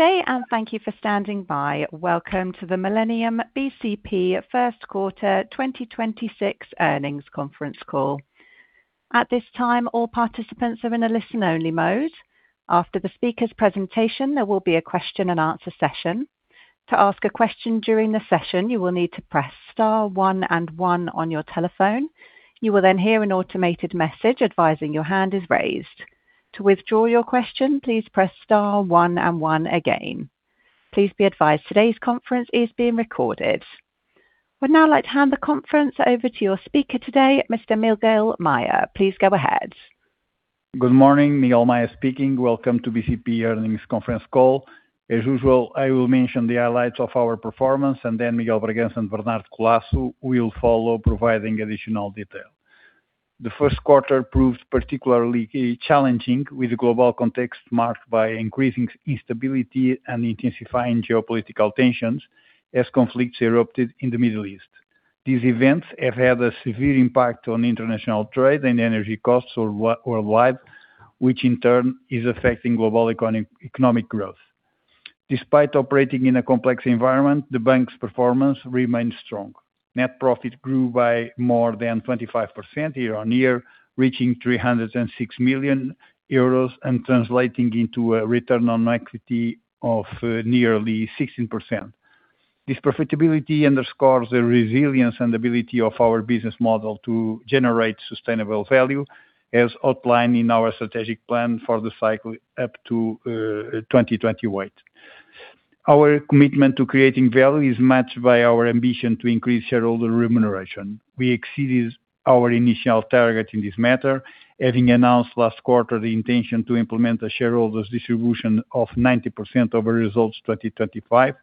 Today, and thank you for standing by. Welcome to the Millennium bcp First Quarter 2026 Earnings Conference Call. At this time, all participants are in a listen-only mode. After the speaker's presentation, there will be a question and answer session. To ask a question during the session, you will need to press star one and one on your telephone. You will then hear an automated message advising your hand is raised. To withdraw your question, please press star one and one again. Please be advised today's conference is being recorded. We'd now like to hand the conference over to your speaker today, Mr. Miguel Maya. Please go ahead. Good morning, Miguel Maya speaking. Welcome to BCP earnings conference call. As usual, I will mention the highlights of our performance, and then Miguel Bragança and Bernardo Collaço will follow, providing additional detail. The first quarter proved particularly challenging with the global context marked by increasing instability and intensifying geopolitical tensions as conflicts erupted in the Middle East. These events have had a severe impact on international trade and energy costs worldwide, which in turn is affecting global economic growth. Despite operating in a complex environment, the bank's performance remains strong. Net profit grew by more than 25% year-on-year, reaching 306 million euros and translating into a return on equity of nearly 16%. This profitability underscores the resilience and ability of our business model to generate sustainable value, as outlined in our strategic plan for the cycle up to 2028. Our commitment to creating value is matched by our ambition to increase shareholder remuneration. We exceeded our initial target in this matter, having announced last quarter the intention to implement a shareholders distribution of 90% over results 2025.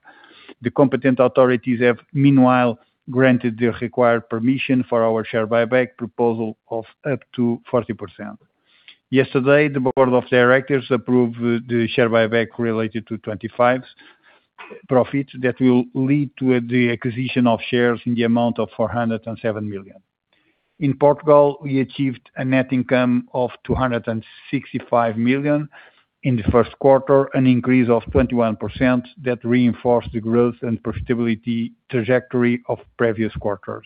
The competent authorities have meanwhile granted the required permission for our share buyback proposal of up to 40%. Yesterday, the Board of Directors approved the share buyback related to 2025's profit that will lead to the acquisition of shares in the amount of 407 million. In Portugal, we achieved a net income of 265 million in the first quarter, an increase of 21% that reinforced the growth and profitability trajectory of previous quarters.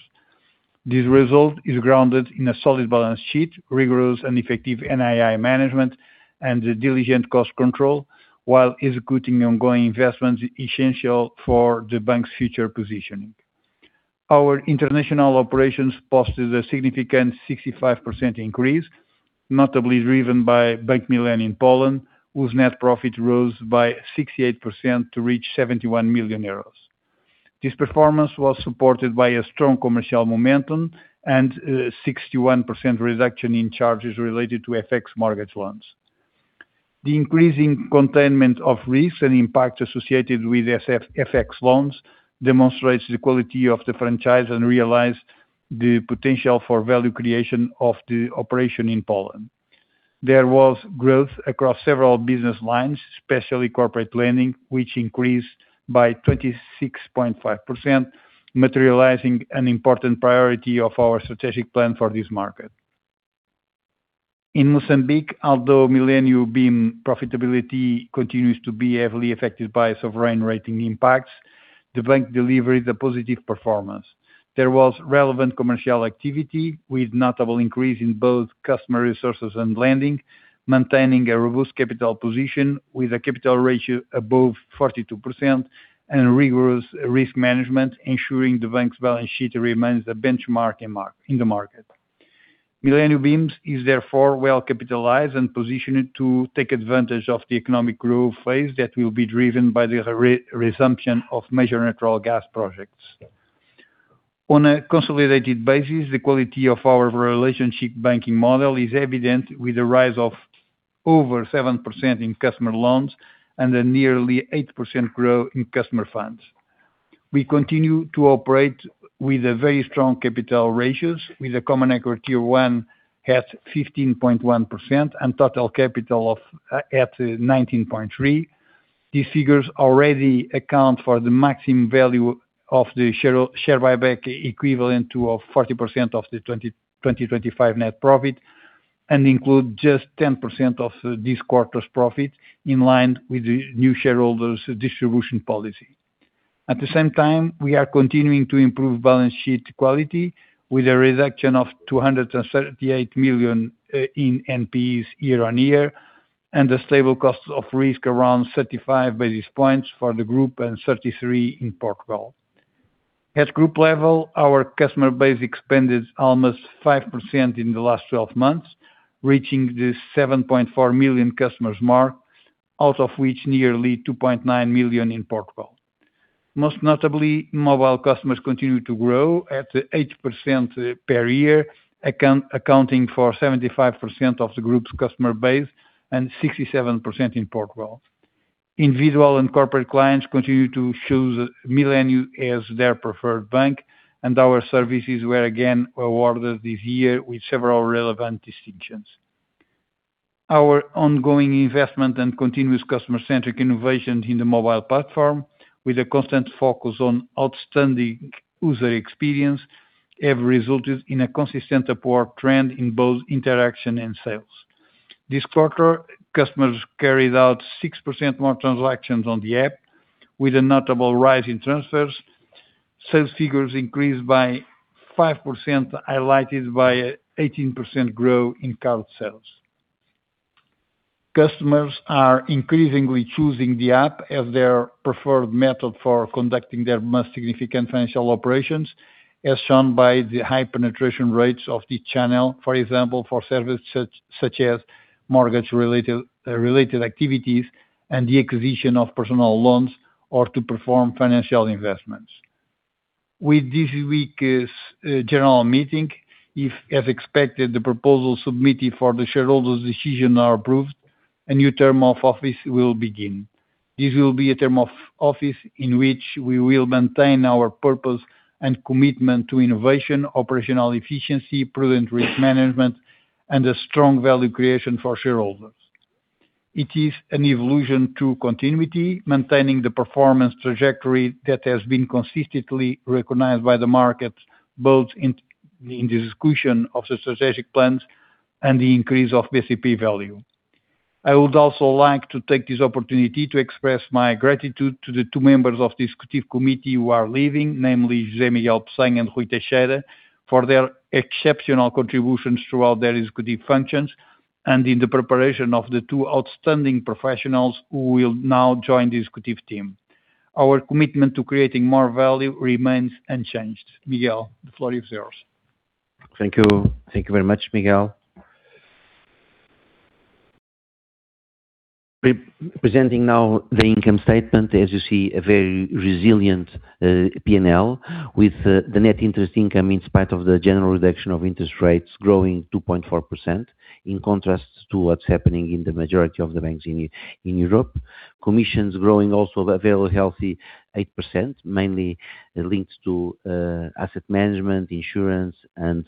This result is grounded in a solid balance sheet, rigorous and effective NII management, and the diligent cost control, while executing ongoing investments essential for the bank's future positioning. Our international operations posted a significant 65% increase, notably driven by Bank Millennium in Poland, whose net profit rose by 68% to reach 71 million euros. This performance was supported by a strong commercial momentum and a 61% reduction in charges related to FX mortgage loans. The increasing containment of risks and impact associated with FX loans demonstrates the quality of the franchise and realized the potential for value creation of the operation in Poland. There was growth across several business lines, especially corporate lending, which increased by 26.5%, materializing an important priority of our strategic plan for this market. In Mozambique, although Millennium bim profitability continues to be heavily affected by sovereign rating impacts, the bank delivered a positive performance. There was relevant commercial activity with notable increase in both customer resources and lending, maintaining a robust capital position with a capital ratio above 42% and rigorous risk management, ensuring the bank's balance sheet remains the benchmark in the market. Millennium bim is therefore well capitalized and positioned to take advantage of the economic growth phase that will be driven by the resumption of major natural gas projects. On a consolidated basis, the quality of our relationship banking model is evident with the rise of over 7% in customer loans and a nearly 8% growth in customer funds. We continue to operate with very strong capital ratios, with a Common Equity Tier 1 has 15.1% and total capital of at 19.3%. These figures already account for the maximum value of the share buyback equivalent to a 40% of the 2025 net profit and include just 10% of this quarter's profit in line with the new shareholders distribution policy. At the same time, we are continuing to improve balance sheet quality with a reduction of 238 million in NPEs year-on-year and a stable cost of risk around 35 basis points for the group and 33 basis points in Portugal. At group level, our customer base expanded almost 5% in the last 12 months, reaching the 7.4 million customers mark, out of which nearly 2.9 million in Portugal. Most notably, mobile customers continue to grow at 8% per year, accounting for 75% of the group's customer base and 67% in Portugal. Individual and corporate clients continue to choose Millennium as their preferred bank, and our services were again awarded this year with several relevant distinctions. Our ongoing investment and continuous customer-centric innovations in the mobile platform with a constant focus on outstanding user experience have resulted in a consistent upward trend in both interaction and sales. This quarter, customers carried out 6% more transactions on the app with a notable rise in transfers. Sales figures increased by 5%, highlighted by 18% growth in card sales. Customers are increasingly choosing the app as their preferred method for conducting their most significant financial operations, as shown by the high penetration rates of the channel. For example, for services such as mortgage related activities and the acquisition of personal loans or to perform financial investments. With this week's General Meeting, if as expected, the proposals submitted for the shareholders' decision are approved, a new term of office will begin. This will be a term of office in which we will maintain our purpose and commitment to innovation, operational efficiency, prudent risk management, and a strong value creation for shareholders. It is an illusion to continuity, maintaining the performance trajectory that has been consistently recognized by the market, both in the execution of the strategic plans and the increase of BCP value. I would also like to take this opportunity to express my gratitude to the two members of the Executive Committee who are leaving, namely José Miguel Pessanha and Rui Teixeira, for their exceptional contributions throughout their executive functions, and in the preparation of the two outstanding professionals who will now join the executive team. Our commitment to creating more value remains unchanged. Miguel, the floor is yours. Thank you. Thank you very much, Miguel. Presenting now the income statement. As you see, a very resilient P&L with the net interest income in spite of the general reduction of interest rates growing 2.4%, in contrast to what's happening in the majority of the banks in Europe. Commissions growing also a very healthy 8%, mainly linked to asset management, insurance and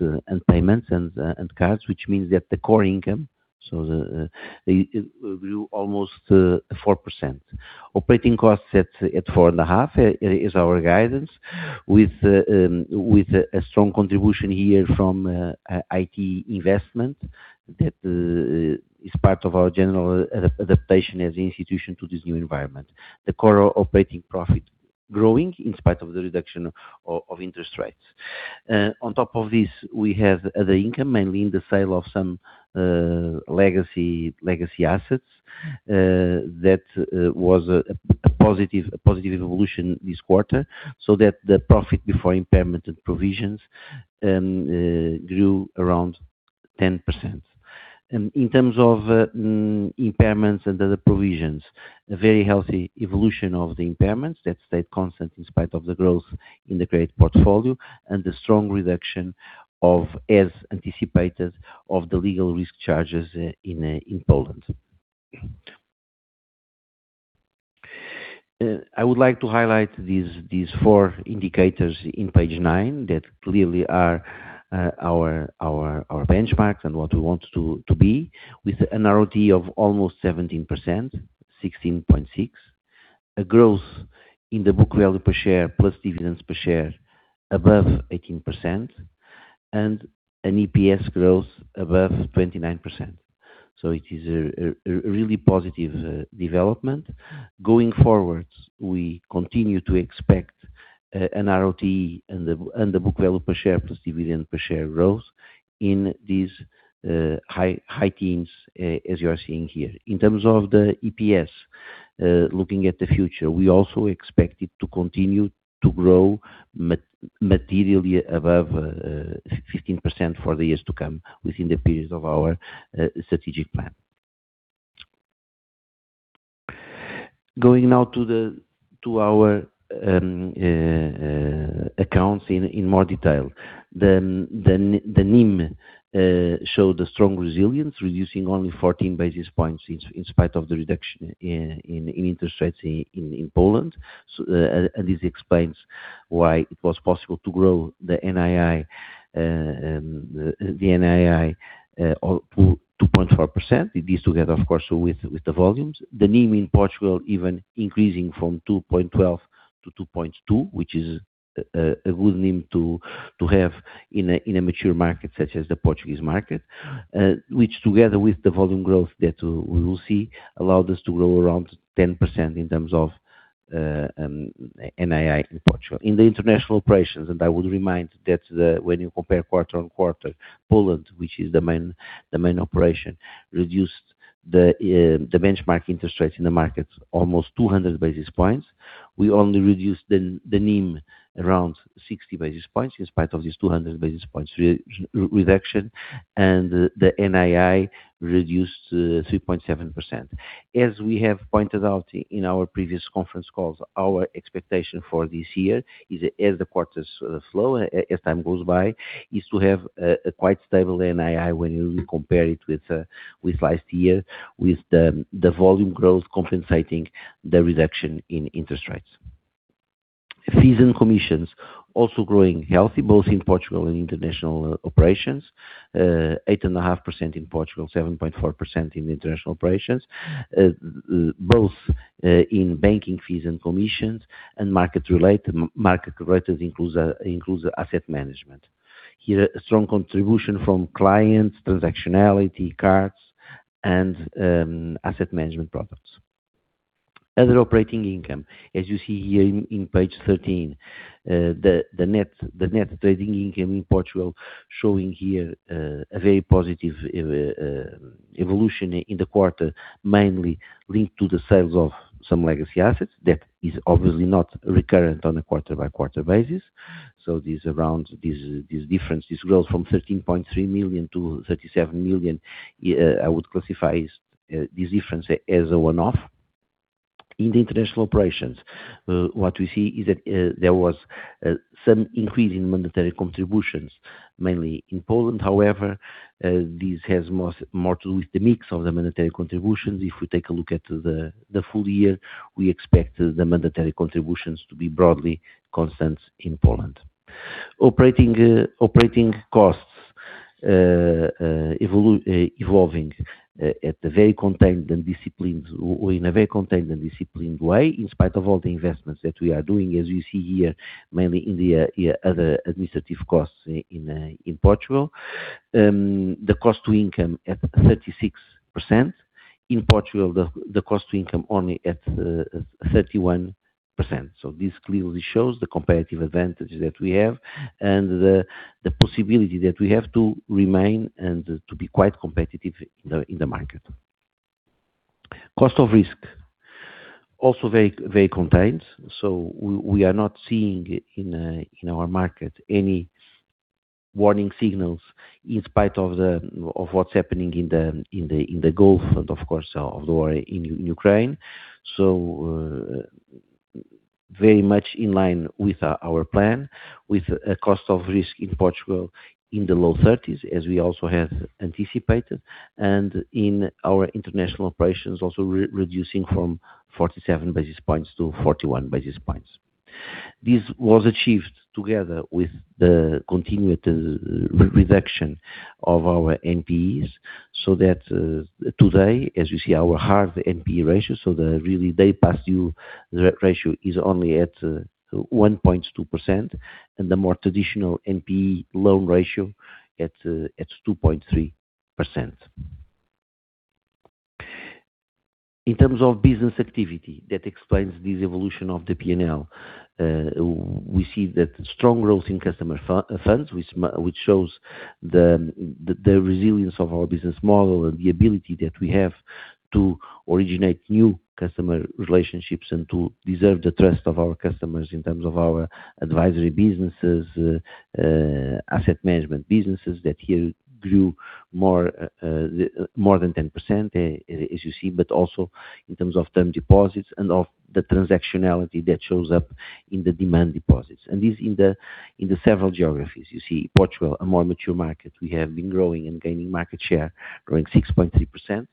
payments and cards, which means that the core income grew almost 4%. Operating costs at 4.5% is our guidance with a strong contribution here from IT investment that is part of our general adaptation as an institution to this new environment. The core operating profit growing in spite of the reduction of interest rates. On top of this, we have other income, mainly in the sale of some legacy assets. That was a positive evolution this quarter, so that the profit before impairment and provisions grew around 10%. In terms of impairments and other provisions, a very healthy evolution of the impairments that stayed constant in spite of the growth in the credit portfolio and the strong reduction of, as anticipated, of the legal risk charges in Poland. I would like to highlight these four indicators in page nine that clearly are our benchmarks and what we want to be with an ROTE of almost 17%, 16.6%. A growth in the book value per share plus dividends per share above 18%, and an EPS growth above 29%. It is a really positive development. Going forward, we continue to expect an ROTE and the book value per share plus dividend per share growth in these high teens as you are seeing here. In terms of the EPS, looking at the future, we also expect it to continue to grow materially above 15% for the years to come within the period of our strategic plan. Going now to our accounts in more detail. The NIM showed a strong resilience, reducing only 14 basis points in spite of the reduction in interest rates in Poland. This explains why it was possible to grow the NII or 2.4%. This together, of course, with the volumes. The NIM in Portugal even increasing from 2.12% to 2.2%, which is a good NIM to have in a mature market such as the Portuguese market. Which together with the volume growth that we will see, allowed us to grow around 10% in terms of NII in Portugal. In the international operations, I would remind that when you compare quarter-on-quarter, Poland, which is the main operation, reduced the benchmark interest rates in the market almost 200 basis points. We only reduced the NIM around 60 basis points in spite of these 200 basis points reduction, and the NII reduced to 3.7%. As we have pointed out in our previous conference calls, our expectation for this year is as the quarters flow, as time goes by, is to have a quite stable NII when you compare it with last year, with the volume growth compensating the reduction in interest rates. Fees and commissions also growing healthy, both in Portugal and international operations. 8.5% in Portugal, 7.4% in international operations. Both in banking fees and commissions and market related, market related includes asset management. Here a strong contribution from clients, transactionality, cards and asset management products. Other operating income, as you see here in page 13, the net trading income in Portugal showing here a very positive evolution in the quarter, mainly linked to the sales of some legacy assets that is obviously not recurrent on a quarter-by-quarter basis. This difference, this growth from 13.3 million to 37 million, I would classify this difference as a one-off. In the international operations, what we see is that there was some increase in mandatory contributions, mainly in Poland. However, this has more to do with the mix of the mandatory contributions. If we take a look at the full year, we expect the mandatory contributions to be broadly constant in Poland. Operating costs, evolving at the very contained and disciplined or in a very contained and disciplined way, in spite of all the investments that we are doing, as you see here, mainly in the other administrative costs in Portugal. The cost to income at 36%. In Portugal, the cost to income only at 31%. This clearly shows the competitive advantage that we have and the possibility that we have to remain and to be quite competitive in the market. Cost of risk, also very contained. We are not seeing in our market any warning signals in spite of what's happening in the Gulf and of course of the war in Ukraine. Very much in line with our plan, with a cost of risk in Portugal in the low 30s basis points as we also have anticipated, and in our international operations, also re-reducing from 47 basis points to 41 basis points. This was achieved together with the continued re-reduction of our NPEs, so that today, as you see our hard NPE ratio, so the really day past due ratio is only at 1.2%, and the more traditional NPE loan ratio at 2.3%. In terms of business activity that explains this evolution of the P&L, we see that strong growth in customer funds, which shows the resilience of our business model and the ability that we have to originate new customer relationships and to deserve the trust of our customers in terms of our advisory businesses, asset management businesses that here grew more than 10% as you see, but also in terms of term deposits and of the transactionality that shows up in the demand deposits. This in the several geographies. You see Portugal, a more mature market. We have been growing and gaining market share, growing 6.3%.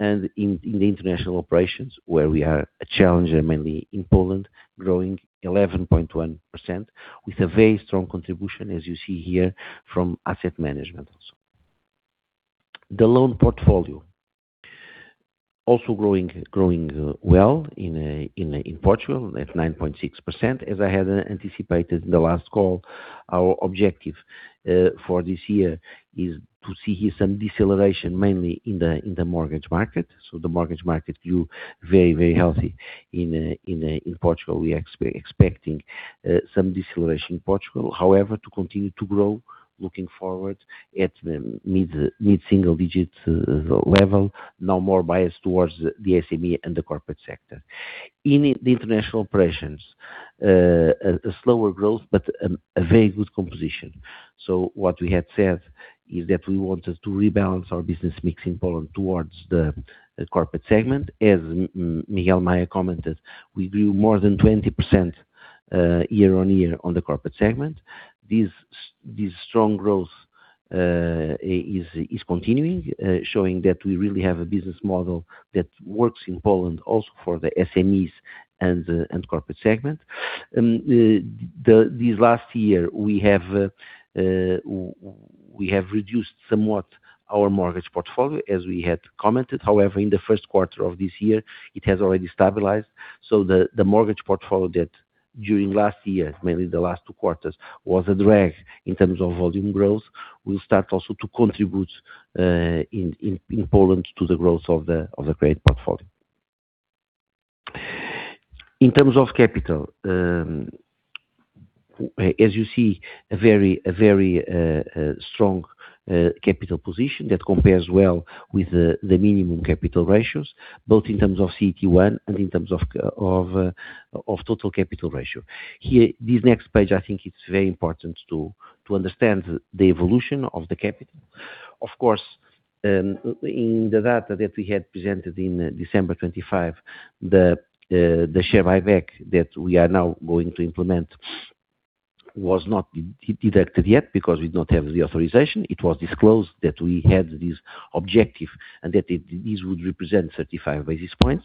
in the international operations, where we are a challenger, mainly in Poland, growing 11.1% with a very strong contribution, as you see here, from asset management also. The loan portfolio also growing well in Portugal at 9.6%. As I had anticipated in the last call, our objective for this year is to see here some deceleration mainly in the mortgage market. The mortgage market grew very healthy in Portugal. We expecting some deceleration in Portugal. However, to continue to grow, looking forward at mid-single digit level, now more biased towards the SME and the corporate sector. In the international operations, a slower growth but a very good composition. What we had said is that we wanted to rebalance our business mix in Poland towards the corporate segment. As Miguel Maya commented, we grew more than 20% year-on-year on the Corporate segment. This strong growth is continuing, showing that we really have a business model that works in Poland also for the SMEs and Corporate segment. This last year, we have reduced somewhat our mortgage portfolio as we had commented. However, in the first quarter of this year, it has already stabilized. The mortgage portfolio that during last year, mainly the last two quarters, was a drag in terms of volume growth, will start also to contribute in Poland to the growth of the credit portfolio. In terms of capital, as you see, a very strong capital position that compares well with the minimum capital ratios, both in terms of CET1 and in terms of total capital ratio. Here, this next page, I think it's very important to understand the evolution of the capital. Of course, in the data that we had presented in December 2025, the share buyback that we are now going to implement was not deducted yet because we did not have the authorization. It was disclosed that we had this objective and that this would represent 35 basis points.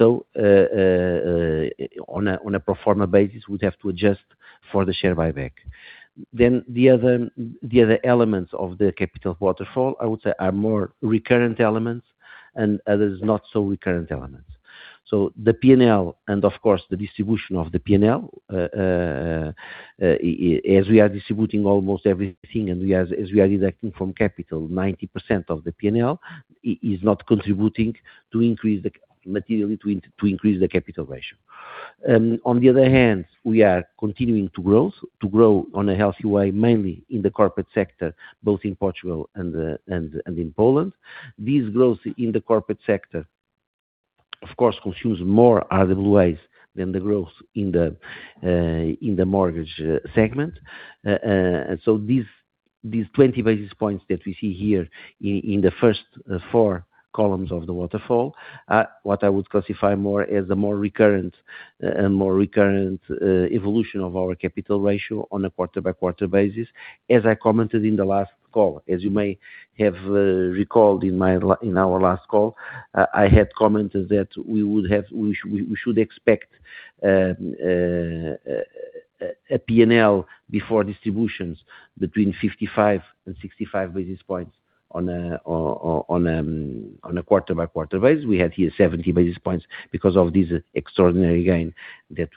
On a pro forma basis, we'd have to adjust for the share buyback. The other elements of the capital waterfall, I would say, are more recurrent elements and others not so recurrent elements. The P&L and of course, the distribution of the P&L, as we are distributing almost everything and we are, as we are deducting from capital, 90% of the P&L is not contributing materially to increase the capital ratio. On the other hand, we are continuing to grow on a healthy way, mainly in the corporate sector, both in Portugal and in Poland. This growth in the corporate sector, of course, consumes more RWA than the growth in the mortgage segment. These 20 basis points that we see here in the first four columns of the waterfall are what I would classify more as the more recurrent evolution of our capital ratio on a quarter-by-quarter basis. As I commented in the last call, as you may have recalled in our last call, I had commented that we should expect a P&L before distributions between 55 and 65 basis points on a quarter-by-quarter basis. We had here 70 basis points because of this extraordinary gain that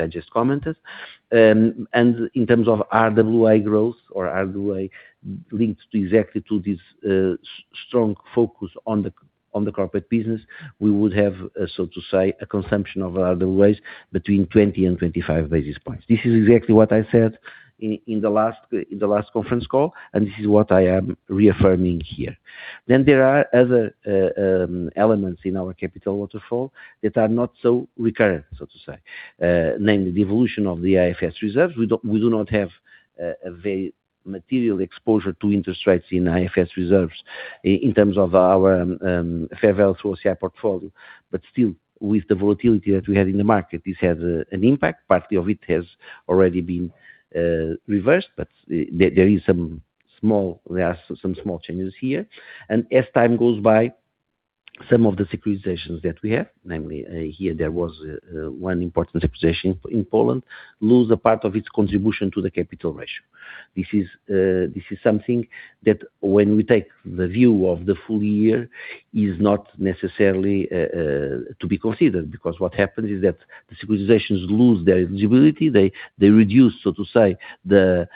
I just commented. In terms of RWA growth or RWA linked exactly to this, a strong focus on the corporate business, we would have, so to say, a consumption of RWAs between 20 and 25 basis points. This is exactly what I said in the last conference call, and this is what I am reaffirming here. There are other elements in our capital waterfall that are not so recurrent, so to say. Namely the evolution of the IFRS reserves. We don't, we do not have a very material exposure to interest rates in IFRS reserves in terms of our fair value through OCI portfolio. Still, with the volatility that we have in the market, this has an impact. Part of it has already been reversed, but there are some small changes here. As time goes by, some of the securitizations that we have, namely, here there was, one important securitization in Poland, lose a part of its contribution to the capital ratio. This is something that when we take the view of the full year, is not necessarily to be considered, because what happens is that the securitizations lose their eligibility. They reduce, so to say, the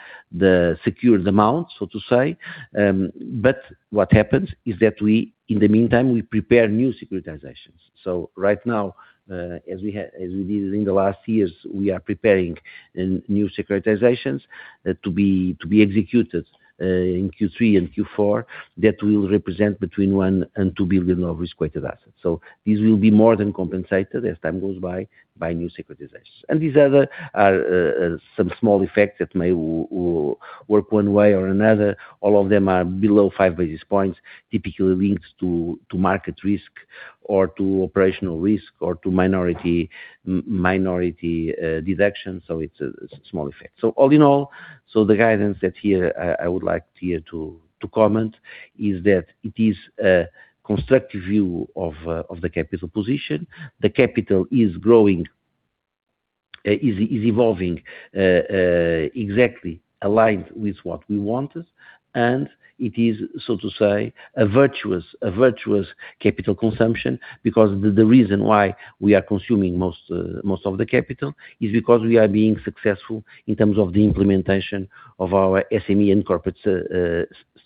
secured amount, so to say. What happens is that we, in the meantime, we prepare new securitizations. Right now as we did in the last years we are preparing new securitizations to be executed in Q3 and Q4 that will represent between 1 billion and 2 billion of risk-weighted assets. This will be more than compensated as time goes by by new securitizations. These other are some small effects that may work one way or another. All of them are below 5 basis points typically linked to market risk or to operational risk or to minority deductions. It's a small effect. All in all the guidance that here I would like to comment is that it is a constructive view of the capital position. The capital is growing is evolving exactly aligned with what we wanted. It is, so to say, a virtuous capital consumption because the reason why we are consuming most of the capital is because we are being successful in terms of the implementation of our SME and corporate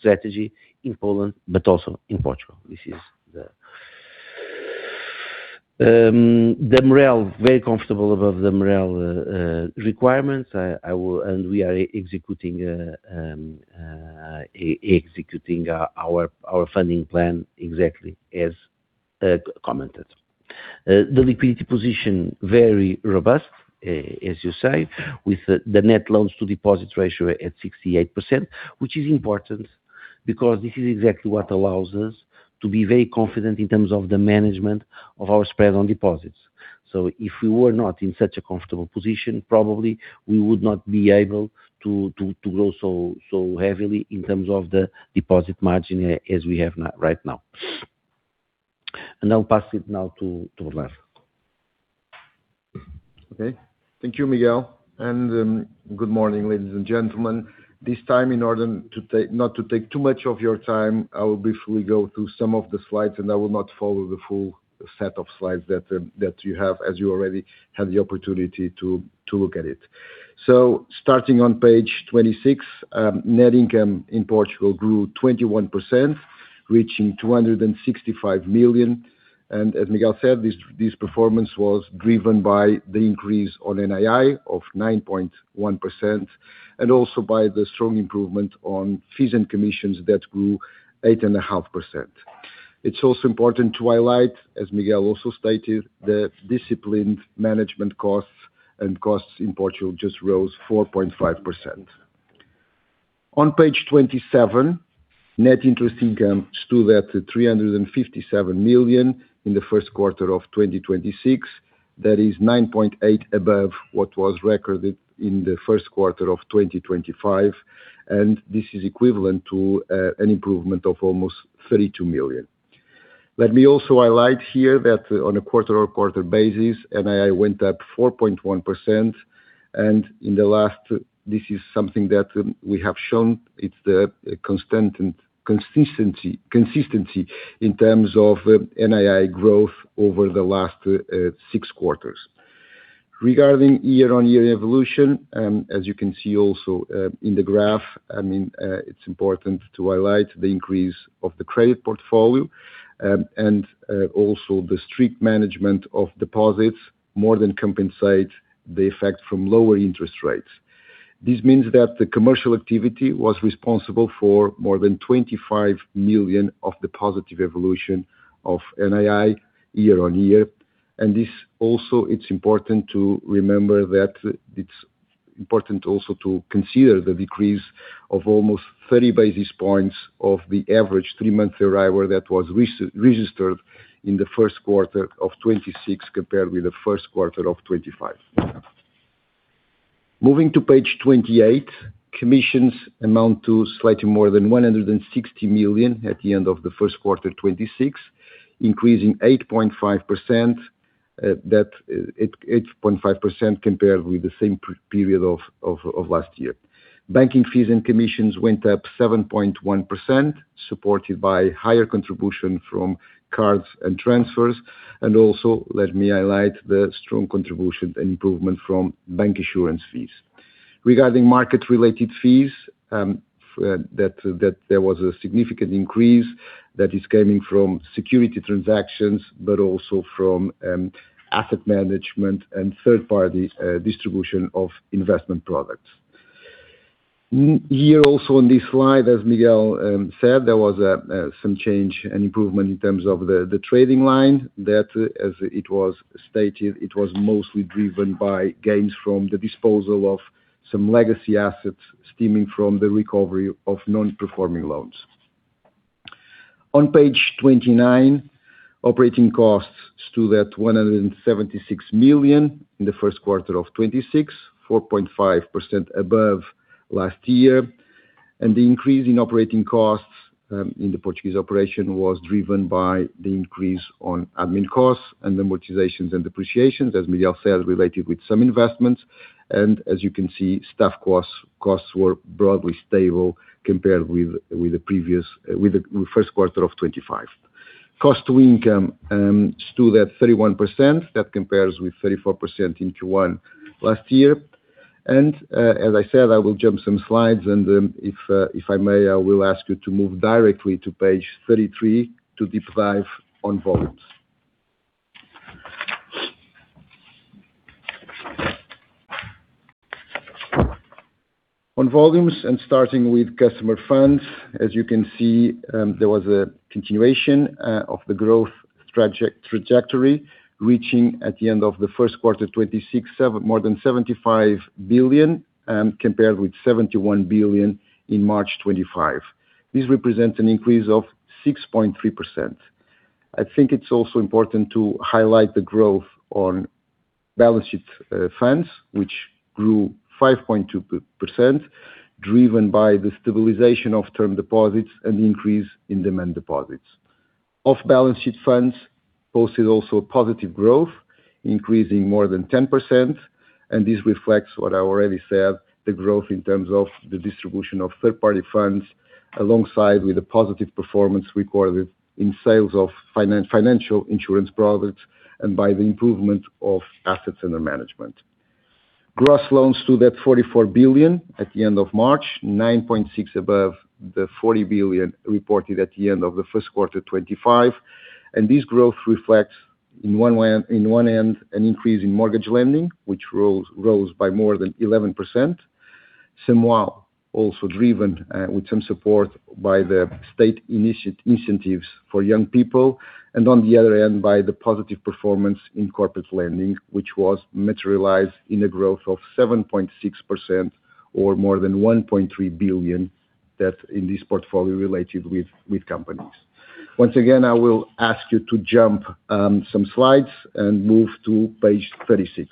strategy in Poland but also in Portugal. This is the MREL, very comfortable above the MREL requirements. We are executing our funding plan exactly as commented. The liquidity position, very robust, as you say, with the net loans to deposits ratio at 68%, which is important because this is exactly what allows us to be very confident in terms of the management of our spread on deposits. if we were not in such a comfortable position, probably we would not be able to grow so heavily in terms of the deposit margin as we have now right now. I'll pass it now to Collaço. Okay. Thank you, Miguel. Good morning, ladies and gentlemen. This time, in order not to take too much of your time, I will briefly go through some of the slides, and I will not follow the full set of slides that you have, as you already had the opportunity to look at it. Starting on page 26, net income in Portugal grew 21%, reaching 265 million. As Miguel said, this performance was driven by the increase on NII of 9.1%, and also by the strong improvement on fees and commissions that grew 8.5%. It's also important to highlight, as Miguel also stated, that disciplined management costs and costs in Portugal just rose 4.5%. On page 27, net interest income stood at 357 million in the first quarter of 2026. That is 9.8% above what was recorded in the first quarter of 2025, and this is equivalent to an improvement of almost 32 million. Let me also highlight here that on a quarter-over-quarter basis, NII went up 4.1%. In the last, this is something that we have shown, it's the constant consistency in terms of NII growth over the last six quarters. Regarding year-on-year evolution, as you can see also in the graph, I mean it's important to highlight the increase of the credit portfolio and also the strict management of deposits more than compensate the effect from lower interest rates. This means that the commercial activity was responsible for more than 25 million of the positive evolution of NII year-on-year. This also, it's important to remember that it's important also to consider the decrease of almost 30 basis points of the average three-month Euribor that was registered in the first quarter of 2026, compared with the first quarter of 2025. Moving to page 28, commissions amount to slightly more than 160 million at the end of the first quarter, 2026, increasing 8.5%. That 8.5% compared with the same period of last year. Banking fees and commissions went up 7.1%, supported by higher contribution from cards and transfers. Also, let me highlight the strong contribution and improvement from bancassurance fees. Regarding market related fees, that there was a significant increase that is coming from security transactions but also from asset management and third party distribution of investment products. Here also on this slide, as Miguel said, there was some change and improvement in terms of the trading line that as it was stated, it was mostly driven by gains from the disposal of some legacy assets stemming from the recovery of non-performing loans. On page 29, operating costs stood at 176 million in the first quarter of 2026, 4.5% above last year, and the increase in operating costs in the Portuguese operation was driven by the increase on admin costs and amortizations and depreciations, as Miguel said, related with some investments, and as you can see, staff costs were broadly stable compared with the first quarter of 2025. Cost to income stood at 31%. That compares with 34% in Q1 last year. As I said, I will jump some slides and, if I may, I will ask you to move directly to page 33 to deep dive on volumes. On volumes, and starting with customer funds, as you can see, there was a continuation of the growth trajectory reaching at the end of the first quarter 26.7%, more than 75 billion, compared with 71 billion in March 2025. This represents an increase of 6.3%. I think it's also important to highlight the growth on balance sheet funds, which grew 5.2%, driven by the stabilization of term deposits and the increase in demand deposits. Off balance sheet funds posted also a positive growth, increasing more than 10%, and this reflects what I already said, the growth in terms of the distribution of third-party funds, alongside with a positive performance recorded in sales of financial insurance products and by the improvement of assets under management. Gross loans stood at 44 billion at the end of March, 9.6% above the 40 billion reported at the end of the first quarter 2025. This growth reflects in one way, in one end, an increase in mortgage lending, which rose by more than 11%, somehow also driven with some support by the state initiatives for young people and, on the other end, by the positive performance in corporate lending, which was materialized in a growth of 7.6% or more than 1.3 billion that in this portfolio related with companies. Once again, I will ask you to jump some slides and move to page 36.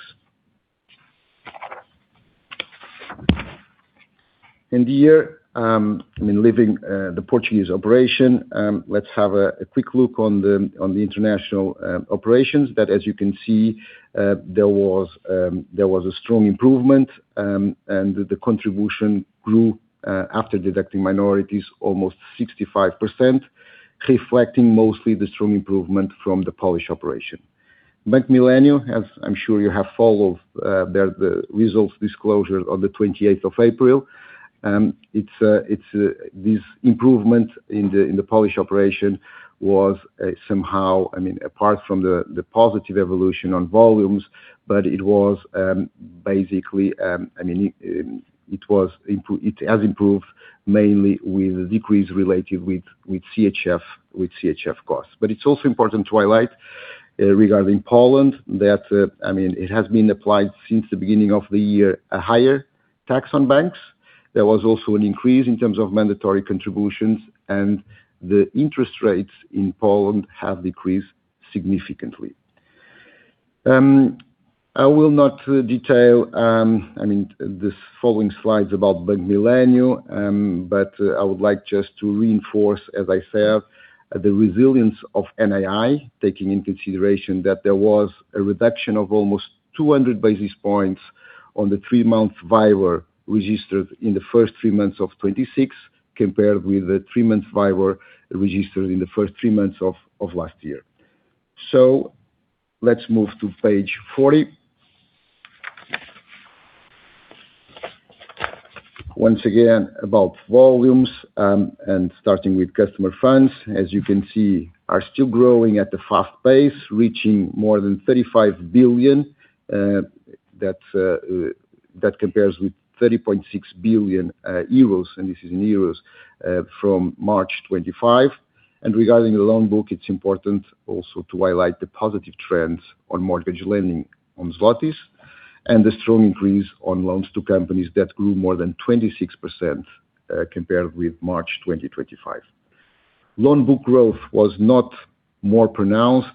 In the year, I mean, leaving the Portuguese operation, let's have a quick look on the international operations that, as you can see, there was a strong improvement, and the contribution grew after deducting minorities almost 65%, reflecting mostly the strong improvement from the Polish operation. Bank Millennium, as I'm sure you have followed their results disclosure on the 28th of April, this improvement in the Polish operation was somehow, I mean, apart from the positive evolution on volumes, but it was basically, I mean, it has improved mainly with a decrease related with CHF costs. It's also important to highlight, regarding Poland that, I mean, it has been applied since the beginning of the year, a higher tax on banks. There was also an increase in terms of mandatory contributions, and the interest rates in Poland have decreased significantly. I will not detail, I mean, the following slides about Bank Millennium, but, I would like just to reinforce, as I said, the resilience of NII, taking into consideration that there was a reduction of almost 200 basis points on the three-month WIBOR registered in the first three months of 2026, compared with the three-month WIBOR registered in the first three months of last year. Let's move to page 40. Once again, about volumes, and starting with customer funds, as you can see, are still growing at a fast pace, reaching more than 35 billion. That compares with 30.6 billion euros, and this is in euros, from March 2025. Regarding the loan book, it's important also to highlight the positive trends on mortgage lending on zlotys and the strong increase on loans to companies that grew more than 26%, compared with March 2025. Loan book growth was not more pronounced,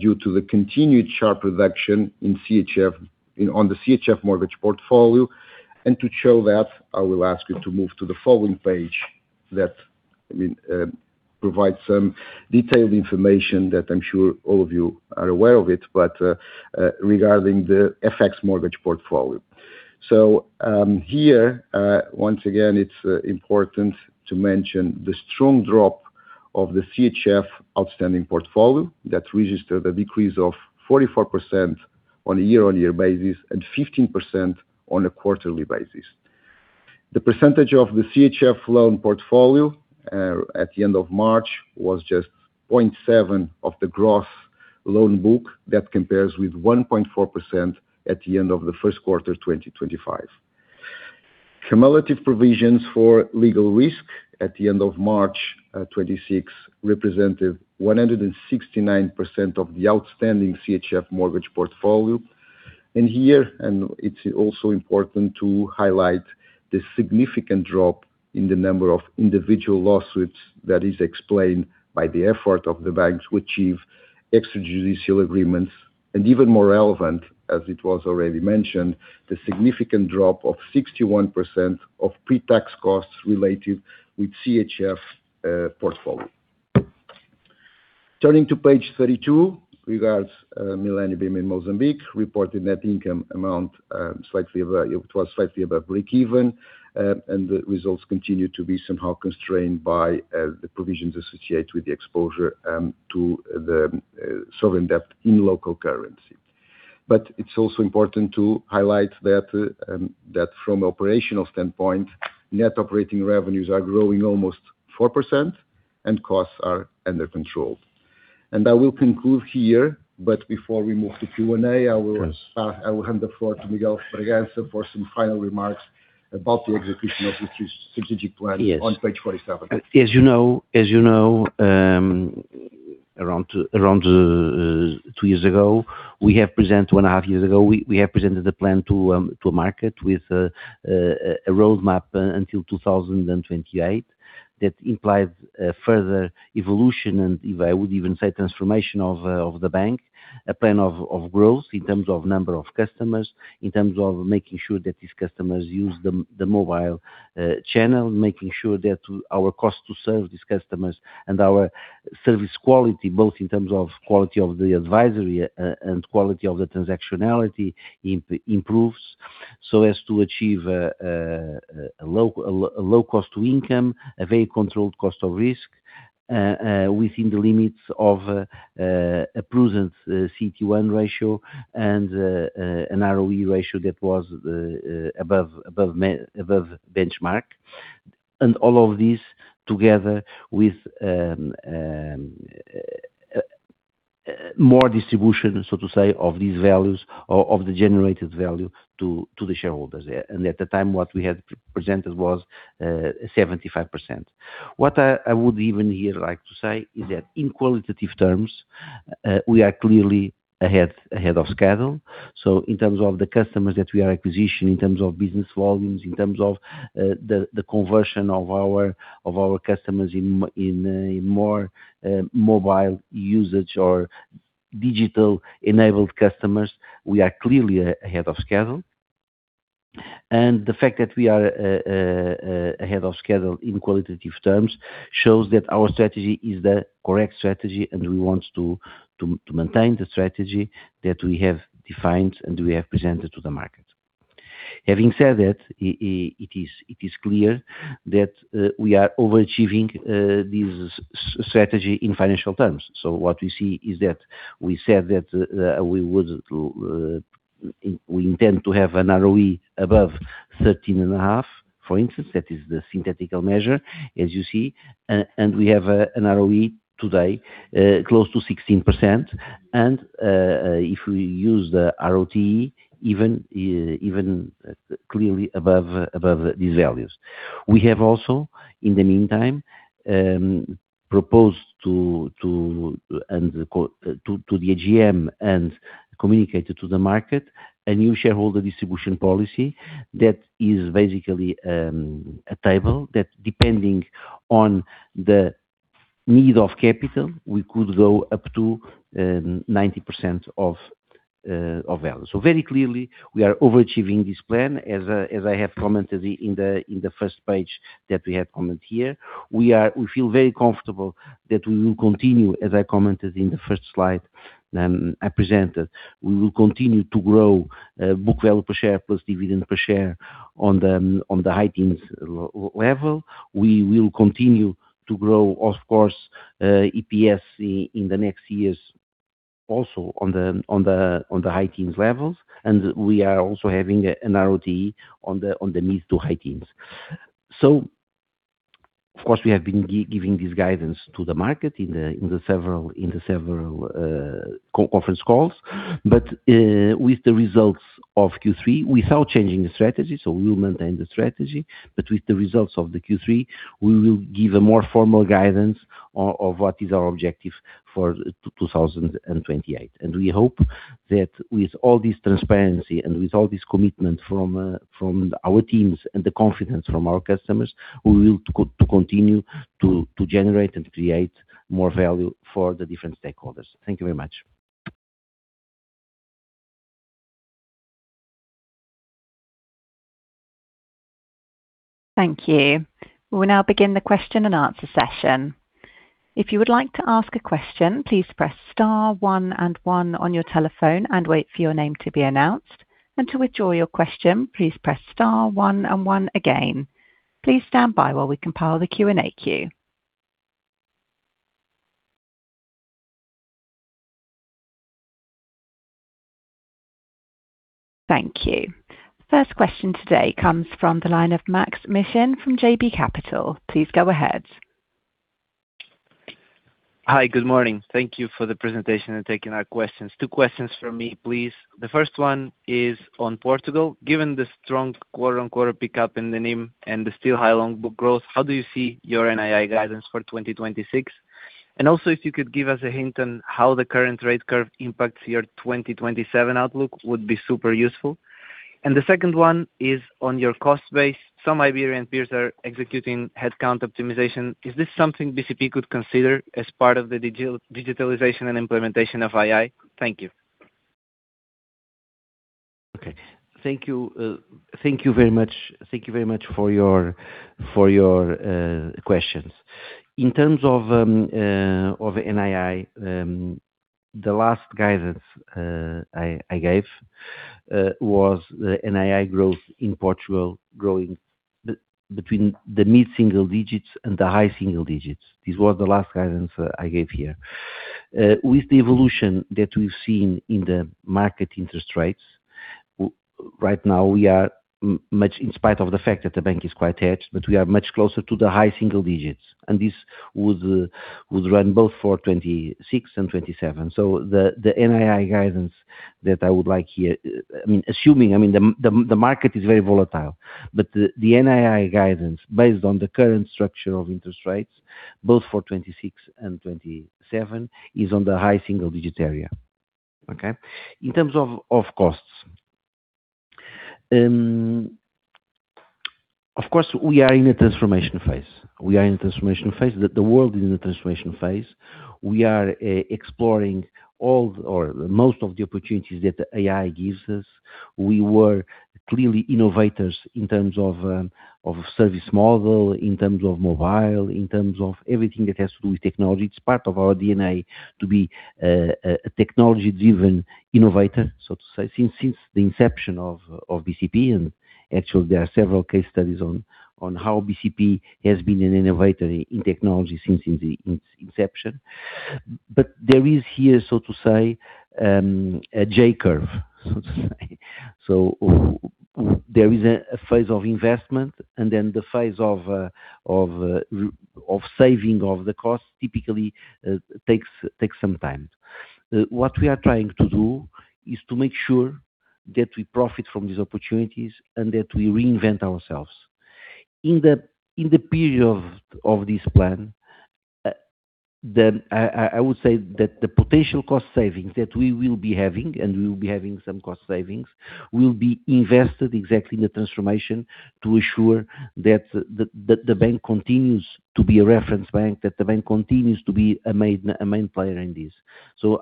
due to the continued sharp reduction in CHF, on the CHF mortgage portfolio. To show that, I will ask you to move to the following page that, I mean, provides some detailed information that I'm sure all of you are aware of it, but, regarding the FX mortgage portfolio. Here, once again, it's important to mention the strong drop of the CHF outstanding portfolio that registered a decrease of 44% on a year-over-year basis and 15% on a quarterly basis. The percentage of the CHF loan portfolio at the end of March was just 0.7 of the gross loan book. That compares with 1.4% at the end of the first quarter 2025. Cumulative provisions for legal risk at the end of March 2026 represented 169% of the outstanding CHF mortgage portfolio. Here, it's also important to highlight the significant drop in the number of individual lawsuits that is explained by the effort of the bank to achieve extrajudicial agreements, and even more relevant, as it was already mentioned, the significant drop of 61% of pre-tax costs related with CHF portfolio. Turning to page 32, regards Millennium bim in Mozambique, reported net income slightly above breakeven. The results continue to be somehow constrained by the provisions associated with the exposure to the sovereign debt in local currency. It's also important to highlight that from operational standpoint, net operating revenues are growing almost 4% and costs are under control. I will conclude here, but before we move to Q&A, I will start- Yes. I will hand the floor to Miguel Bragança for some final remarks about the execution of the strategic plan. Yes. On page 47. As you know, around two years ago, two and a half years ago, we have presented a plan to market with a roadmap until 2028 that implied further evolution, and even, I would even say transformation of the bank. A plan of growth in terms of number of customers, in terms of making sure that these customers use the mobile channel, making sure that our cost to serve these customers and our service quality, both in terms of quality of the advisory and quality of the transactionality improves so as to achieve a low cost to income, a very controlled cost of risk within the limits of a prudent CET1 ratio and an ROE ratio that was above benchmark. All of this together with more distribution, so to say, of these values, of the generated value to the shareholders. At the time, what we had presented was 75%. What I would even here like to say is that in qualitative terms, we are clearly ahead of schedule. In terms of the customers that we are acquisition, in terms of business volumes, in terms of the conversion of our customers in a more mobile usage or digital enabled customers, we are clearly ahead of schedule. The fact that we are ahead of schedule in qualitative terms shows that our strategy is the correct strategy, and we want to maintain the strategy that we have defined and we have presented to the market. Having said that, it is clear that we are overachieving this strategy in financial terms. What we see is that we said that we intend to have an ROE above 13.5%, for instance, that is the synthetic measure, as you see. We have an ROE today close to 16%. If we use the ROTE even clearly above these values. We have also in the meantime proposed to the AGM and communicated to the market a new shareholder distribution policy that is basically a table that depending on the need of capital we could go up to 90% of value. Very clearly we are overachieving this plan as I have commented in the first page that we have commented here. We feel very comfortable that we will continue, as I commented in the first slide I presented. We will continue to grow book value per share plus dividend per share on the high teens level. We will continue to grow, of course, EPS in the next years also on the high teens levels. We are also having an ROTE on the mid-to-high teens. Of course, we have been giving this guidance to the market in the several conference calls. With the results of Q3, without changing the strategy, we will maintain the strategy. With the results of the Q3, we will give a more formal guidance on what is our objective for 2028. we hope that with all this transparency and with all this commitment from our teams and the confidence from our customers, we will continue to generate and create more value for the different stakeholders. Thank you very much. Thank you. We will now begin the question and answer session. If you would like to ask a question, please press star one and one on your telephone and wait for your name to be announced. To withdraw your question, please press star one and one again. Please stand by while we compile the Q&A queue. Thank you. First question today comes from the line of Maks Mishyn from JB Capital. Please go ahead. Hi. Good morning. Thank you for the presentation and taking our questions. Two questions from me, please. The first one is on Portugal. Given the strong quarter-on-quarter pickup in the NIM and the still high loan book growth, how do you see your NII guidance for 2026? Also, if you could give us a hint on how the current rate curve impacts your 2027 outlook would be super useful. The second one is on your cost base. Some Iberian peers are executing headcount optimization. Is this something BCP could consider as part of the digitalization and implementation of AI? Thank you. Okay. Thank you. Thank you very much. Thank you very much for your, for your questions. In terms of NII, the last guidance I gave was the NII growth in Portugal growing between the mid-single digits and the high single digits. This was the last guidance I gave here. With the evolution that we've seen in the market interest rates, right now we are much in spite of the fact that the bank is quite hedged, but we are much closer to the high single digits, and this would run both for 2026 and 2027. The NII guidance that I would like here, I mean, assuming, the market is very volatile, but the NII guidance based on the current structure of interest rates both for 2026 and 2027 is on the high single-digit area. Okay. In terms of costs, of course, we are in a transformation phase. The world is in a transformation phase. We are exploring all or most of the opportunities that AI gives us. We were clearly innovators in terms of service model, in terms of mobile, in terms of everything that has to do with technology. It's part of our DNA to be a technology-driven innovator, so to say, since the inception of BCP. Actually, there are several case studies on how BCP has been an innovator in technology since the inception. There is here, so to say, a J-curve. There is a phase of investment and then the phase of saving of the cost typically takes some time. What we are trying to do is to make sure that we profit from these opportunities and that we reinvent ourselves. In the period of this plan, then I would say that the potential cost savings that we will be having, and we will be having some cost savings, will be invested exactly in the transformation to ensure that the bank continues to be a reference bank, that the bank continues to be a main, a main player in this.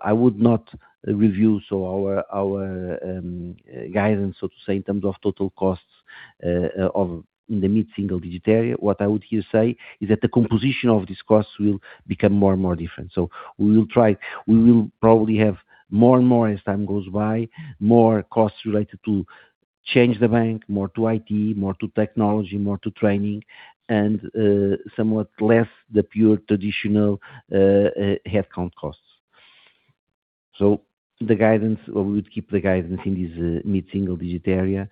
I would not review our guidance, so to say, in terms of total costs of the mid-single digit area. What I would here say is that the composition of this cost will become more and more different. We will probably have more and more as time goes by, more costs related to change the bank, more to IT, more to technology, more to training and somewhat less the pure traditional headcount costs. The guidance, or we would keep the guidance in this mid-single digit area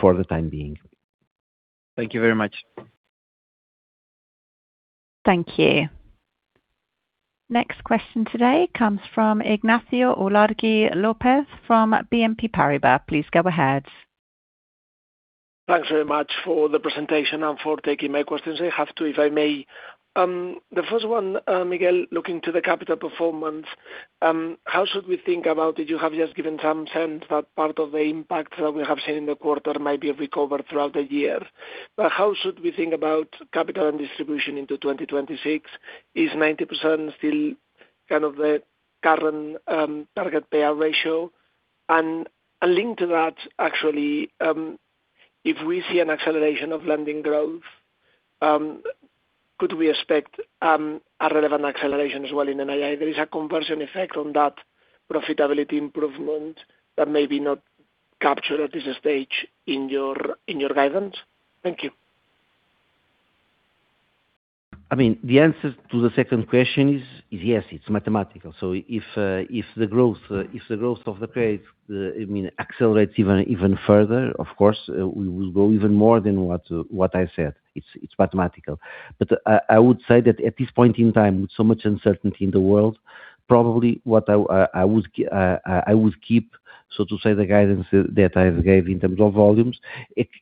for the time being. Thank you very much. Thank you. Next question today comes from Ignacio Ulargui-López from BNP Paribas. Please go ahead. Thanks very much for the presentation and for taking my questions. I have two, if I may. The first one, Miguel, looking to the capital performance, how should we think about it? You have just given some sense that part of the impact that we have seen in the quarter might be recovered throughout the year. How should we think about capital and distribution into 2026? Is 90% still kind of the current target payout ratio? A link to that actually, if we see an acceleration of lending growth, could we expect a relevant acceleration as well in NII? There is a conversion effect on that profitability improvement that may be not captured at this stage in your, in your guidance. Thank you. I mean, the answer to the second question is yes, it's mathematical. If the growth of the credit, I mean, accelerates even further, of course, we will grow even more than what I said. It's mathematical. I would say that at this point in time, with so much uncertainty in the world, probably what I would keep, so to say, the guidance that I gave in terms of volumes.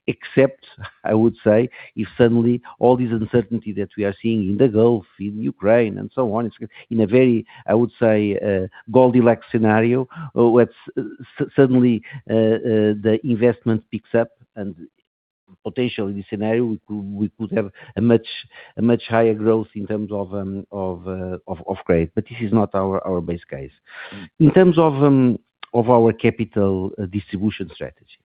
Except I would say if suddenly all this uncertainty that we are seeing in the Gulf, in Ukraine, and so on, in a very, I would say, Goldilocks scenario, where suddenly the investment picks up and potentially the scenario we could have a much higher growth in terms of credit. This is not our base case. In terms of our capital distribution strategy.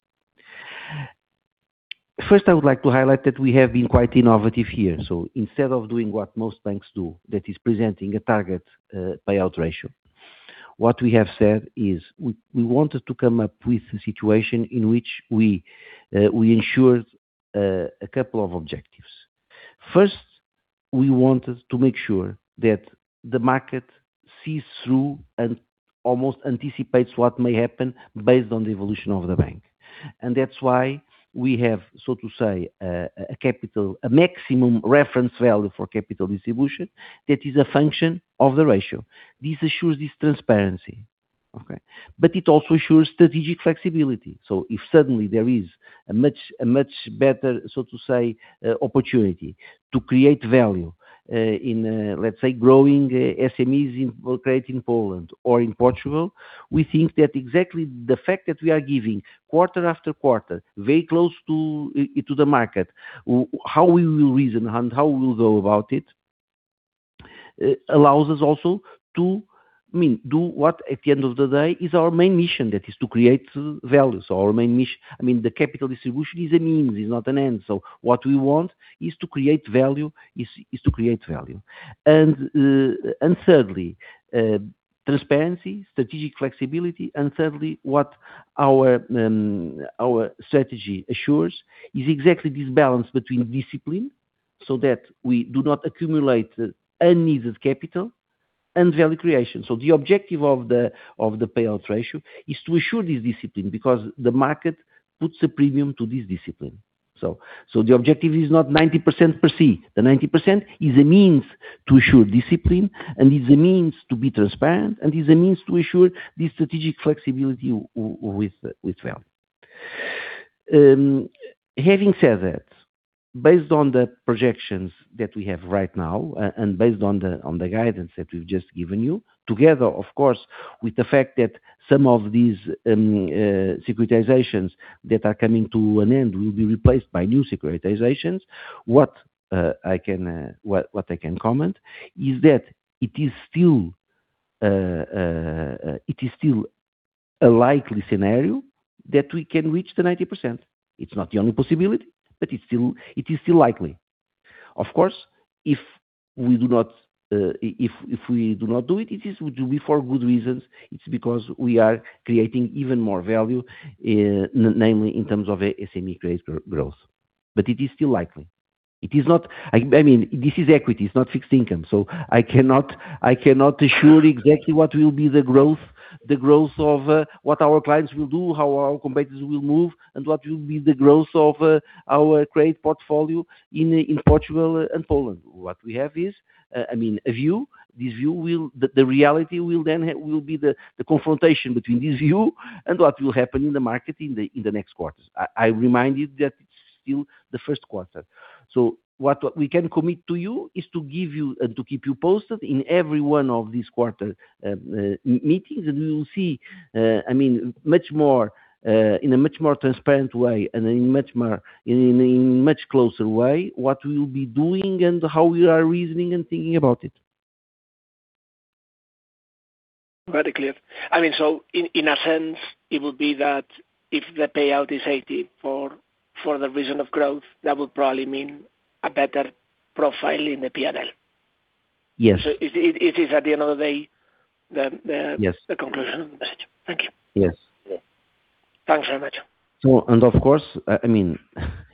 First, I would like to highlight that we have been quite innovative here. Instead of doing what most banks do, that is presenting a target payout ratio, what we have said is we wanted to come up with a situation in which we ensured a couple of objectives. First, we wanted to make sure that the market sees through and almost anticipates what may happen based on the evolution of the bank. That's why we have, so to say, a maximum reference value for capital distribution that is a function of the ratio. This assures this transparency. Okay. It also assures strategic flexibility. If suddenly there is a much better, so to say, opportunity to create value, in, let's say, growing SMEs or credit in Poland or in Portugal, we think that exactly the fact that we are giving quarter after quarter, very close to the market, how we will reason and how we will go about it, allows us also to, I mean, do what at the end of the day is our main mission. That is to create value. Our main I mean, the capital distribution is a means, is not an end. What we want is to create value, to create value. Thirdly, transparency, strategic flexibility, and thirdly, what our strategy assures is exactly this balance between discipline, so that we do not accumulate unneeded capital, and value creation. The objective of the, of the payout ratio is to assure this discipline because the market puts a premium to this discipline. The objective is not 90% per se. The 90% is a means to assure discipline, and is a means to be transparent, and is a means to assure the strategic flexibility with value. Having said that, based on the projections that we have right now, and based on the guidance that we've just given you, together, of course, with the fact that some of these securitizations that are coming to an end will be replaced by new securitizations, what I can comment is that it is still a likely scenario that we can reach the 90%. It's not the only possibility, but it's still, it is still likely. Of course, if we do not do it will be for good reasons. It's because we are creating even more value, namely in terms of SME credit growth. But it is still likely. I mean, this is equity, it's not fixed income, so I cannot, I cannot assure exactly what will be the growth of what our clients will do, how our competitors will move, and what will be the growth of our credit portfolio in Portugal and Poland. What we have is, I mean, a view. The reality will then be the confrontation between this view and what will happen in the market in the next quarters. I remind you that it's still the first quarter. What we can commit to you is to give you and to keep you posted in every one of these quarter meetings, and we will see, I mean, much more in a much more transparent way and in much closer way what we will be doing and how we are reasoning and thinking about it. Very clear. I mean, in a sense, it would be that if the payout is 80 for the reason of growth, that would probably mean a better profile in the P&L. Yes. It is at the end of the day. Yes. The conclusion of the message. Thank you. Yes. Yes. Thanks very much. Well, of course, I mean,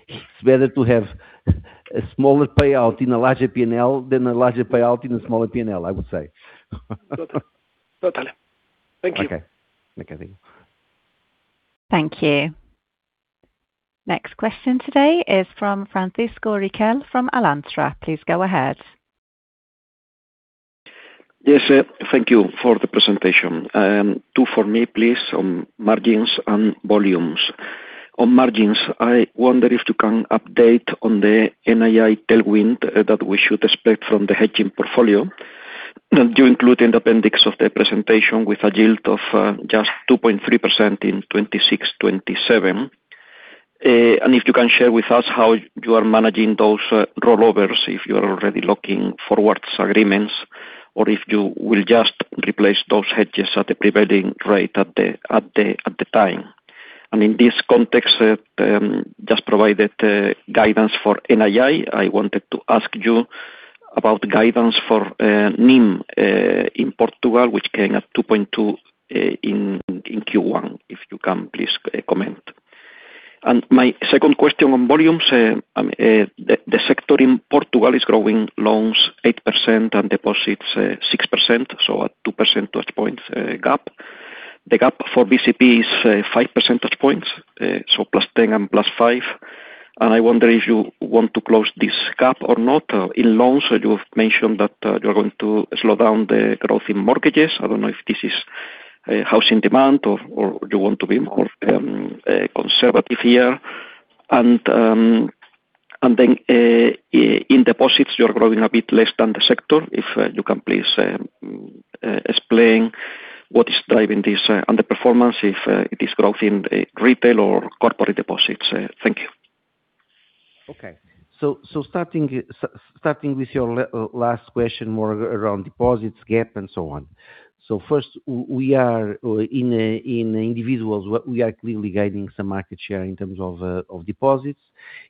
it's better to have a smaller payout in a larger P&L than a larger payout in a smaller P&L, I would say. Totally. Thank you. Okay. Thank you. Thank you. Next question today is from Francisco Riquel from Alantra. Please go ahead. Yes, thank you for the presentation. Two for me, please, on margins and volumes. On margins, I wonder if you can update on the NII tailwind that we should expect from the hedging portfolio. You include in the appendix of the presentation with a yield of just 2.3% in 2026, 2027. If you can share with us how you are managing those rollovers, if you are already looking forwards agreements or if you will just replace those hedges at the prevailing rate at the time. In this context, just provided guidance for NII. I wanted to ask you about the guidance for NIM in Portugal, which came at 2.2% in Q1, if you can please comment. My second question on volumes. The sector in Portugal is growing loans 8% and deposits 6%, so a 2 percentage points gap. The gap for BCP is 5 percentage points, so +10% and +5%. I wonder if you want to close this gap or not. In loans, you've mentioned that you're going to slow down the growth in mortgage loans. I don't know if this is housing demand or you want to be more conservative here. In deposits, you are growing a bit less than the sector. If you can please explain what is driving this underperformance, if it is growth in retail or corporate deposits. Thank you. Okay. Starting with your last question more around deposits gap and so on. First, we are in individuals, what we are clearly gaining some market share in terms of deposits.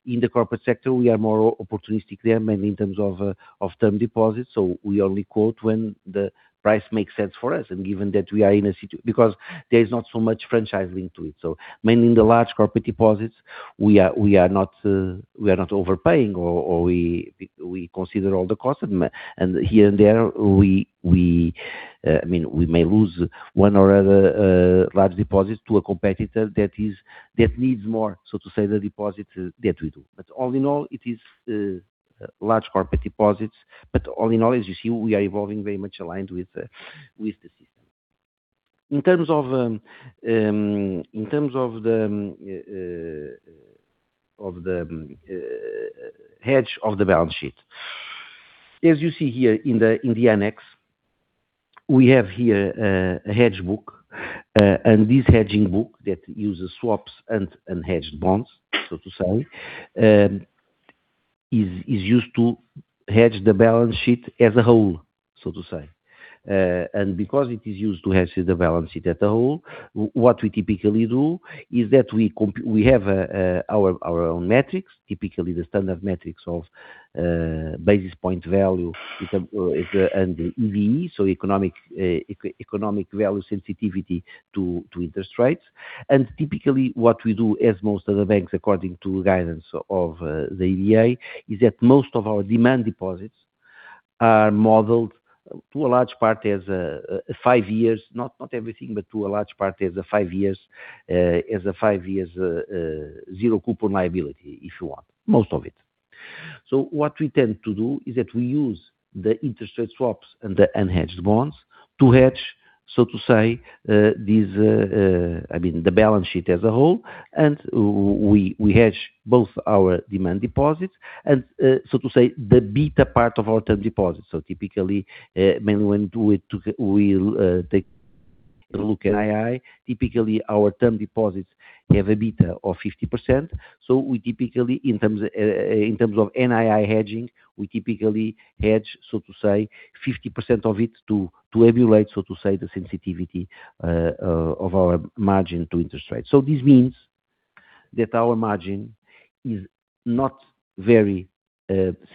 In the corporate sector, we are more opportunistic there, mainly in terms of term deposits. We only quote when the price makes sense for us. Because there is not so much franchise linked to it. Mainly in the large corporate deposits, we are not overpaying or we consider all the costs. Here and there, we, I mean, we may lose one or other large deposits to a competitor that needs more, so to say, the deposits than we do. It is large corporate deposits. As you see, we are evolving very much aligned with the system. In terms of the of the hedge of the balance sheet. As you see here in the annex, we have here a hedge book. This hedging book that uses swaps and unhedged bonds, so to say, is used to hedge the balance sheet as a whole, so to say. Because it is used to hedge the balance sheet as a whole, what we typically do is that we have our own metrics, typically the standard metrics of basis point value is and EVE, so economic value sensitivity to interest rates. Typically, what we do, as most other banks, according to guidance of the EBA, is that most of our demand deposits are modeled to a large part as five years. Not everything, but to a large part as a five years zero coupon liability, if you want. Most of it. What we tend to do is that we use the interest rate swaps and the unhedged bonds to hedge, so to say, these, I mean, the balance sheet as a whole. We hedge both our demand deposits and, so to say, the beta part of our term deposits. Typically, mainly when we'll take look NII, typically our term deposits have a beta of 50%. We typically, in terms, in terms of NII hedging, we typically hedge 50% of it to emulate the sensitivity of our margin to interest rates. This means that our margin is not very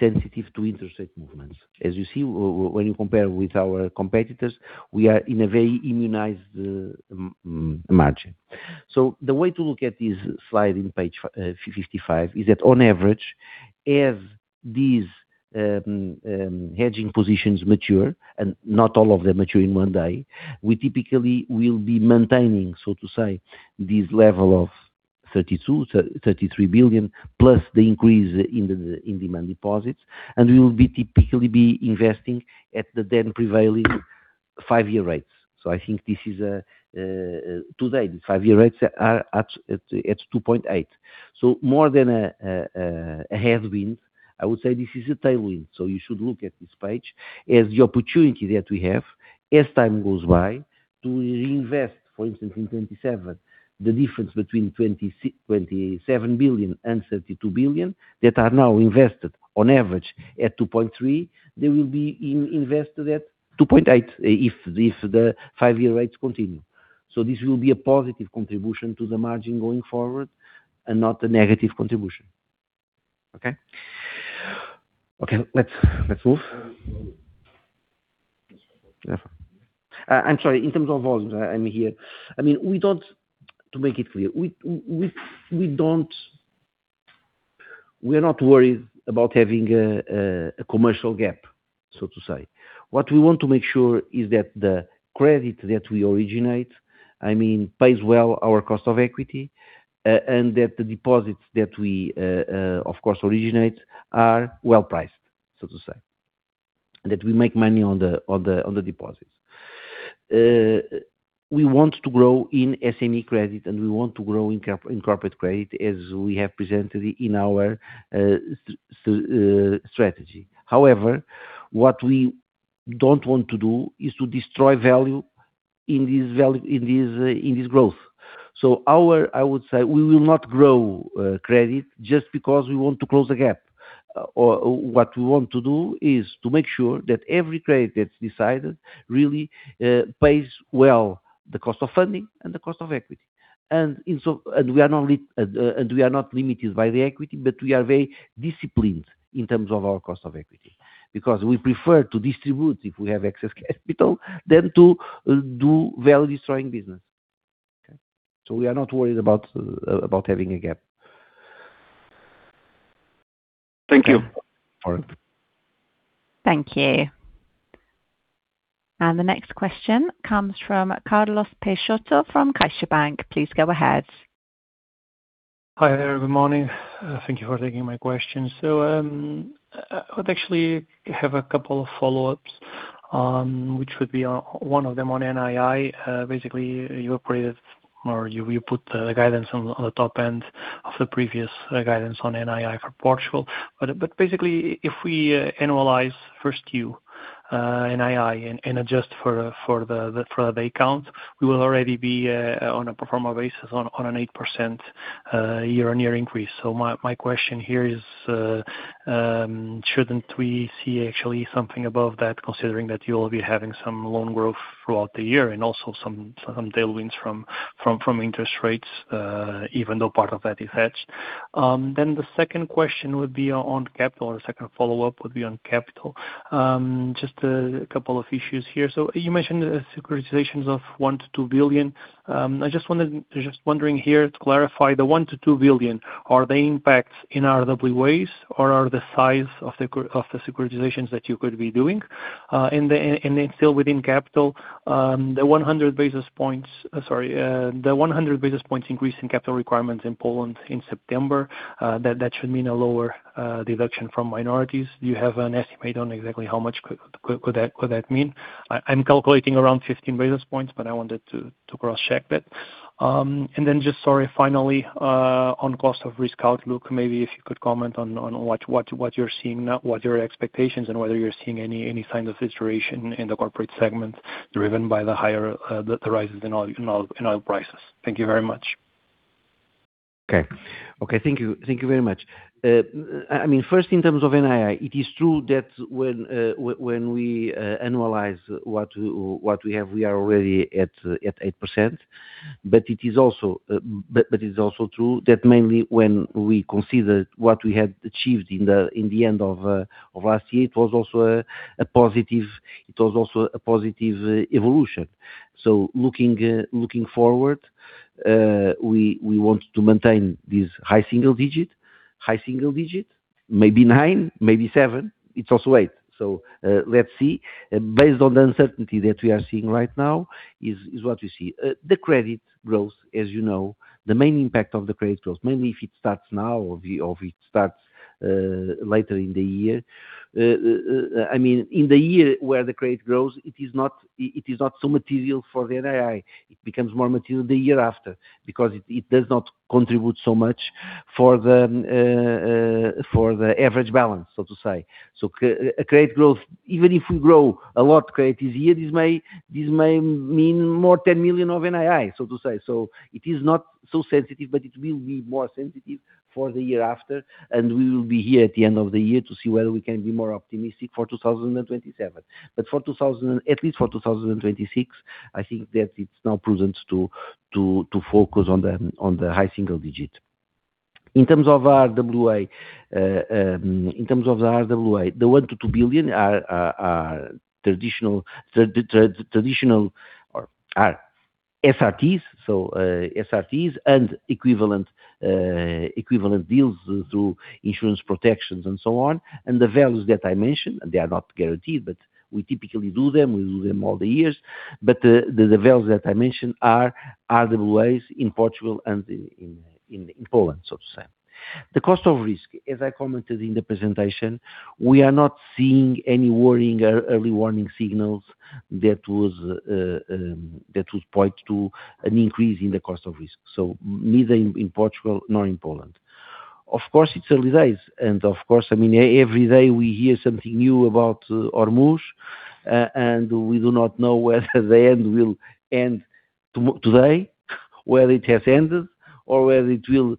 sensitive to interest rate movements. As you see, when you compare with our competitors, we are in a very immunized margin. The way to look at this slide in page 55 is that on average, as these hedging positions mature, and not all of them mature in one day, we typically will be maintaining this level of 32 billion-33 billion, plus the increase in demand deposits. We will be typically be investing at the then prevailing five-year rates. I think this is today, the five-year rates are at 2.8%. More than a headwind, I would say this is a tailwind. You should look at this page as the opportunity that we have as time goes by to reinvest, for instance, in 2027, the difference between 27 billion and 32 billion that are now invested on average at 2.3%, they will be invested at 2.8% if the five-year rates continue. This will be a positive contribution to the margin going forward and not a negative contribution. Okay? Let's move. I'm sorry. In terms of volumes, I mean, here. I mean, we don't. To make it clear, we don't. We are not worried about having a commercial gap, so to say. What we want to make sure is that the credit that we originate, I mean, pays well our cost of equity, and that the deposits that we, of course, originate are well-priced, so to say. That we make money on the, on the, on the deposits. We want to grow in SME credit, and we want to grow in corporate credit as we have presented in our strategy. However, what we don't want to do is to destroy value in this growth. I would say we will not grow credit just because we want to close the gap. Or what we want to do is to make sure that every credit that's decided really pays well the cost of funding and the cost of equity. We are not limited by the equity, but we are very disciplined in terms of our cost of equity. We prefer to distribute if we have excess capital than to do value-destroying business. Okay. We are not worried about having a gap. Thank you. All right. Thank you. The next question comes from Carlos Peixoto from CaixaBank. Please go ahead. Hi there. Good morning. Thank you for taking my question. I would actually have a couple of follow-ups, which would be on one of them on NII. Basically you upgraded or you put the guidance on the top end of the previous guidance on NII for Portugal. Basically if we annualize first you NII and adjust for the account, we will already be on a pro forma basis on an 8% year-over-year increase. My question here is, shouldn't we see actually something above that considering that you will be having some loan growth throughout the year and also some tailwinds from interest rates, even though part of that is hedged? The second question would be on capital, the second follow-up would be on capital. Just a couple of issues here. You mentioned securitizations of 1 billion-2 billion. I was just wondering here to clarify the 1 billion-2 billion, are they impacts in RWAs or are the size of the securitizations that you could be doing? Still within capital, the 100 basis points increase in capital requirements in Poland in September, that should mean a lower deduction from minorities. Do you have an estimate on exactly how much could that mean? I am calculating around 15 basis points, but I wanted to cross-check that. Then just sorry, finally, on cost of risk outlook, maybe if you could comment on what you're seeing now, what your expectations and whether you're seeing any signs of deterioration in the corporate segment driven by the higher the rises in oil prices. Thank you very much. Okay. Okay. Thank you. Thank you very much. I mean, first in terms of NII, it is true that when we annualize what we have, we are already at 8%. It is also true that mainly when we consider what we had achieved in the end of last year, it was also a positive evolution. Looking forward, we want to maintain this high single digit, maybe 9%, maybe 7%. It's also 8%. Let's see. Based on the uncertainty that we are seeing right now is what we see. The credit growth, as you know, the main impact of the credit growth, mainly if it starts now or if it starts later in the year, I mean, in the year where the credit grows, it is not so material for the NII. It becomes more material the year after because it does not contribute so much for the average balance, so to say. Credit growth, even if we grow a lot credit this year, this may mean more 10 million of NII, so to say. It is not so sensitive, but it will be more sensitive for the year after, we will be here at the end of the year to see whether we can be more optimistic for 2027. at least for 2026, I think that it's now prudent to focus on the high single-digit. In terms of RWA, in terms of the RWA, the 1 billion-2 billion are traditional or are SRTs. SRTs and equivalent deals through insurance protections and so on. The values that I mentioned, and they are not guaranteed, but we typically do them, we do them all the years. The values that I mentioned are RWAs in Portugal and in Poland, so to say. The cost of risk, as I commented in the presentation, we are not seeing any worrying early warning signals that would point to an increase in the cost of risk. Neither in Portugal nor in Poland. Of course, it's early days. Of course, I mean, every day we hear something new about Hormuz, and we do not know whether the end will end to-today, whether it has ended or whether it will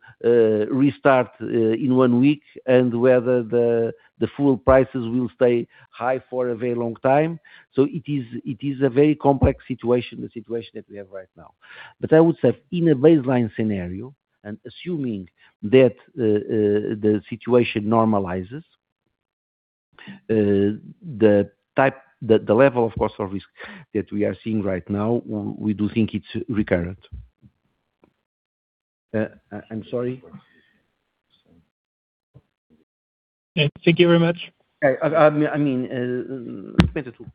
restart in one week and whether the fuel prices will stay high for a very long time. It is, it is a very complex situation, the situation that we have right now. I would say in a baseline scenario and assuming that the situation normalizes, the level of cost of risk that we are seeing right now, we do think it's recurrent. I'm sorry. Thank you very much. I mean, [Pedro too].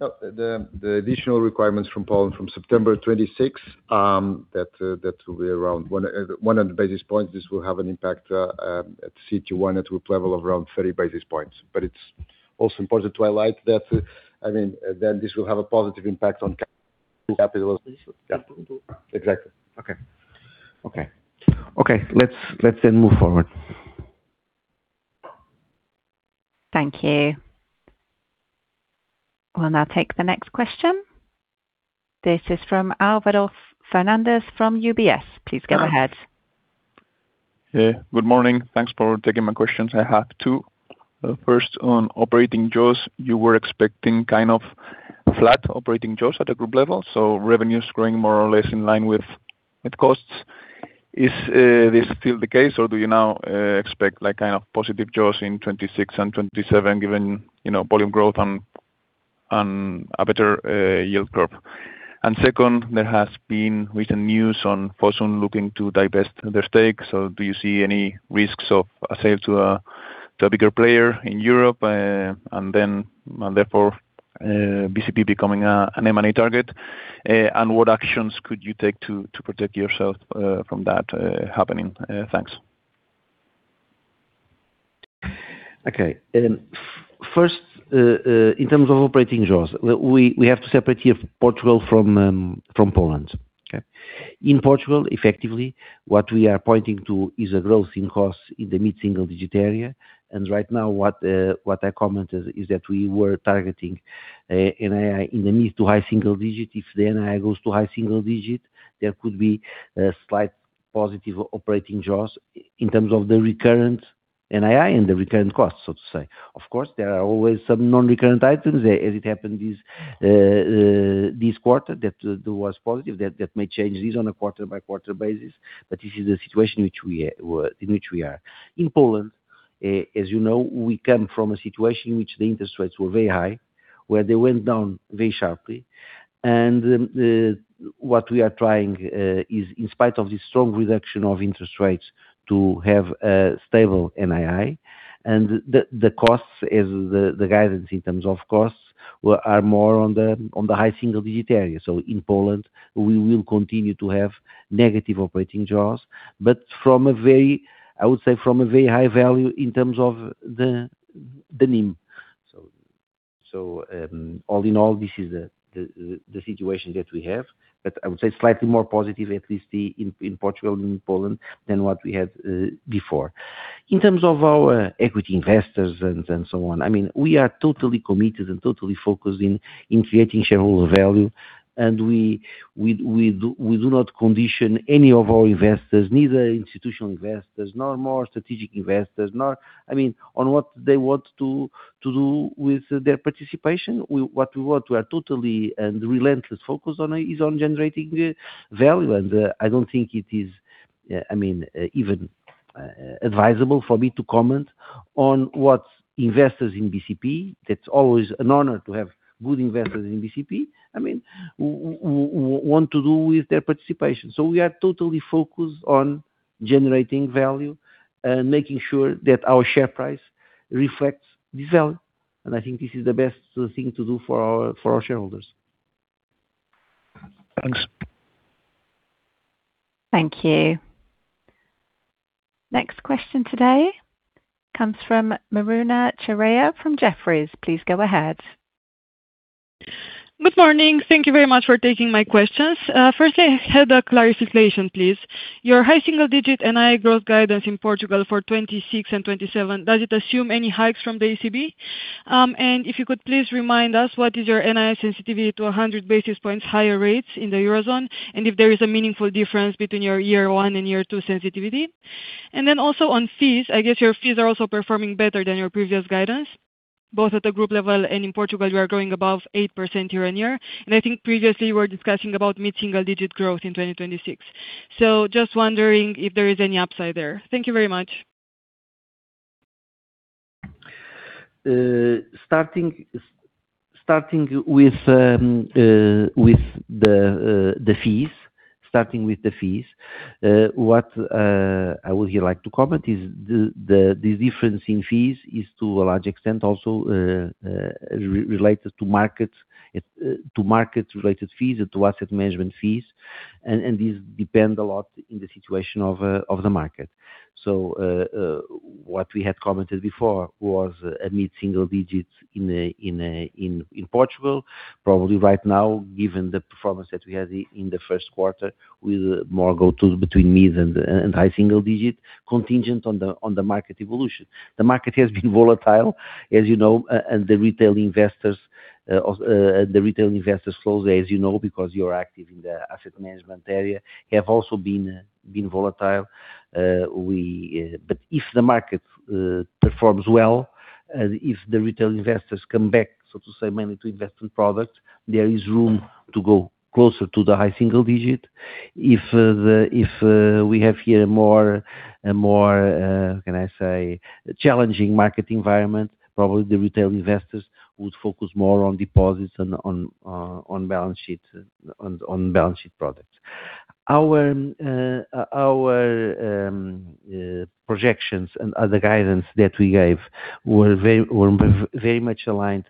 No. The additional requirements from Poland from September 26th, that will be around 100 basis points. This will have an impact at CET1 at group level of around 30 basis points. It's also important to highlight that, I mean, that this will have a positive impact on capital. Yeah. Exactly. Okay. Okay. Okay, let's then move forward. Thank you. We'll now take the next question. This is from Álvaro Fernández from UBS. Please go ahead. Yeah, good morning. Thanks for taking my questions. I have two. First, on operating jaws. You were expecting kind of flat operating jaws at a group level, so revenues growing more or less in line with costs. Is this still the case or do you now expect like kind of positive jaws in 2026 and 2027, given, you know, volume growth on a better yield curve? Second, there has been recent news on Fosun looking to divest their stake. Do you see any risks of a sale to a bigger player in Europe, and then therefore, BCP becoming an M&A target? And what actions could you take to protect yourself from that happening? Thanks. Okay. First, in terms of operating jaws, we have to separate here Portugal from Poland. Okay? In Portugal, effectively, what we are pointing to is a growth in costs in the mid-single digit area. Right now what I commented is that we were targeting NII in the mid to high single digit. If the NII goes to high single digit, there could be a slight positive operating jaws in terms of the recurrent NII and the recurrent costs, so to say. Of course, there are always some non-recurrent items. As it happened this quarter that was positive, that may change on a quarter by quarter basis. This is the situation which we in which we are. In Poland, as you know, we come from a situation in which the interest rates were very high, where they went down very sharply. What we are trying is, in spite of the strong reduction of interest rates, to have a stable NII. The costs is the guidance in terms of costs, are more on the high single-digit area. In Poland, we will continue to have negative operating jaws, but from a very, I would say, from a very high value in terms of the NIM. All in all, this is the situation that we have. I would say slightly more positive, at least in Portugal and in Poland, than what we had before. In terms of our equity investors and so on, I mean, we are totally committed and totally focused in creating shareholder value, and we do not condition any of our investors, neither institutional investors, nor more strategic investors, nor. I mean, on what they want to do with their participation. What we want, we are totally and relentlessly focused on is on generating value. I don't think it is, I mean, even advisable for me to comment on what investors in BCP, that's always an honor to have good investors in BCP, I mean, want to do with their participation. We are totally focused on generating value and making sure that our share price reflects this value. I think this is the best thing to do for our shareholders. Thanks. Thank you. Next question today comes from Miruna Chirea from Jefferies. Please go ahead. Good morning. Thank you very much for taking my questions. First thing, I had a clarification, please. Your high single digit NII growth guidance in Portugal for 2026 and 2027, does it assume any hikes from the ECB? If you could please remind us what is your NII sensitivity to 100 basis points higher rates in the Eurozone? If there is a meaningful difference between your year one and year two sensitivity. Then also on fees. I guess your fees are also performing better than your previous guidance, both at the group level and in Portugal, you are growing above 8% year-on-year. I think previously you were discussing about mid-single digit growth in 2026. Just wondering if there is any upside there. Thank you very much. Starting with the fees. What I would here like to comment is the difference in fees is to a large extent also related to market related fees and to asset management fees, and these depend a lot in the situation of the market. What we had commented before was a mid-single digits in Portugal. Probably right now, given the performance that we had in the first quarter, we'll more go to between mid and high single digit, contingent on the market evolution. The market has been volatile, as you know, and the retail investors flows, as you know, because you're active in the asset management area, have also been volatile. We, if the market performs well, if the retail investors come back, so to say, mainly to invest in products, there is room to go closer to the high single digit. If we have here more, a more, can I say, challenging market environment, probably the retail investors would focus more on deposits on balance sheets and on balance sheet products. Our, our projections and other guidance that we gave were very much aligned,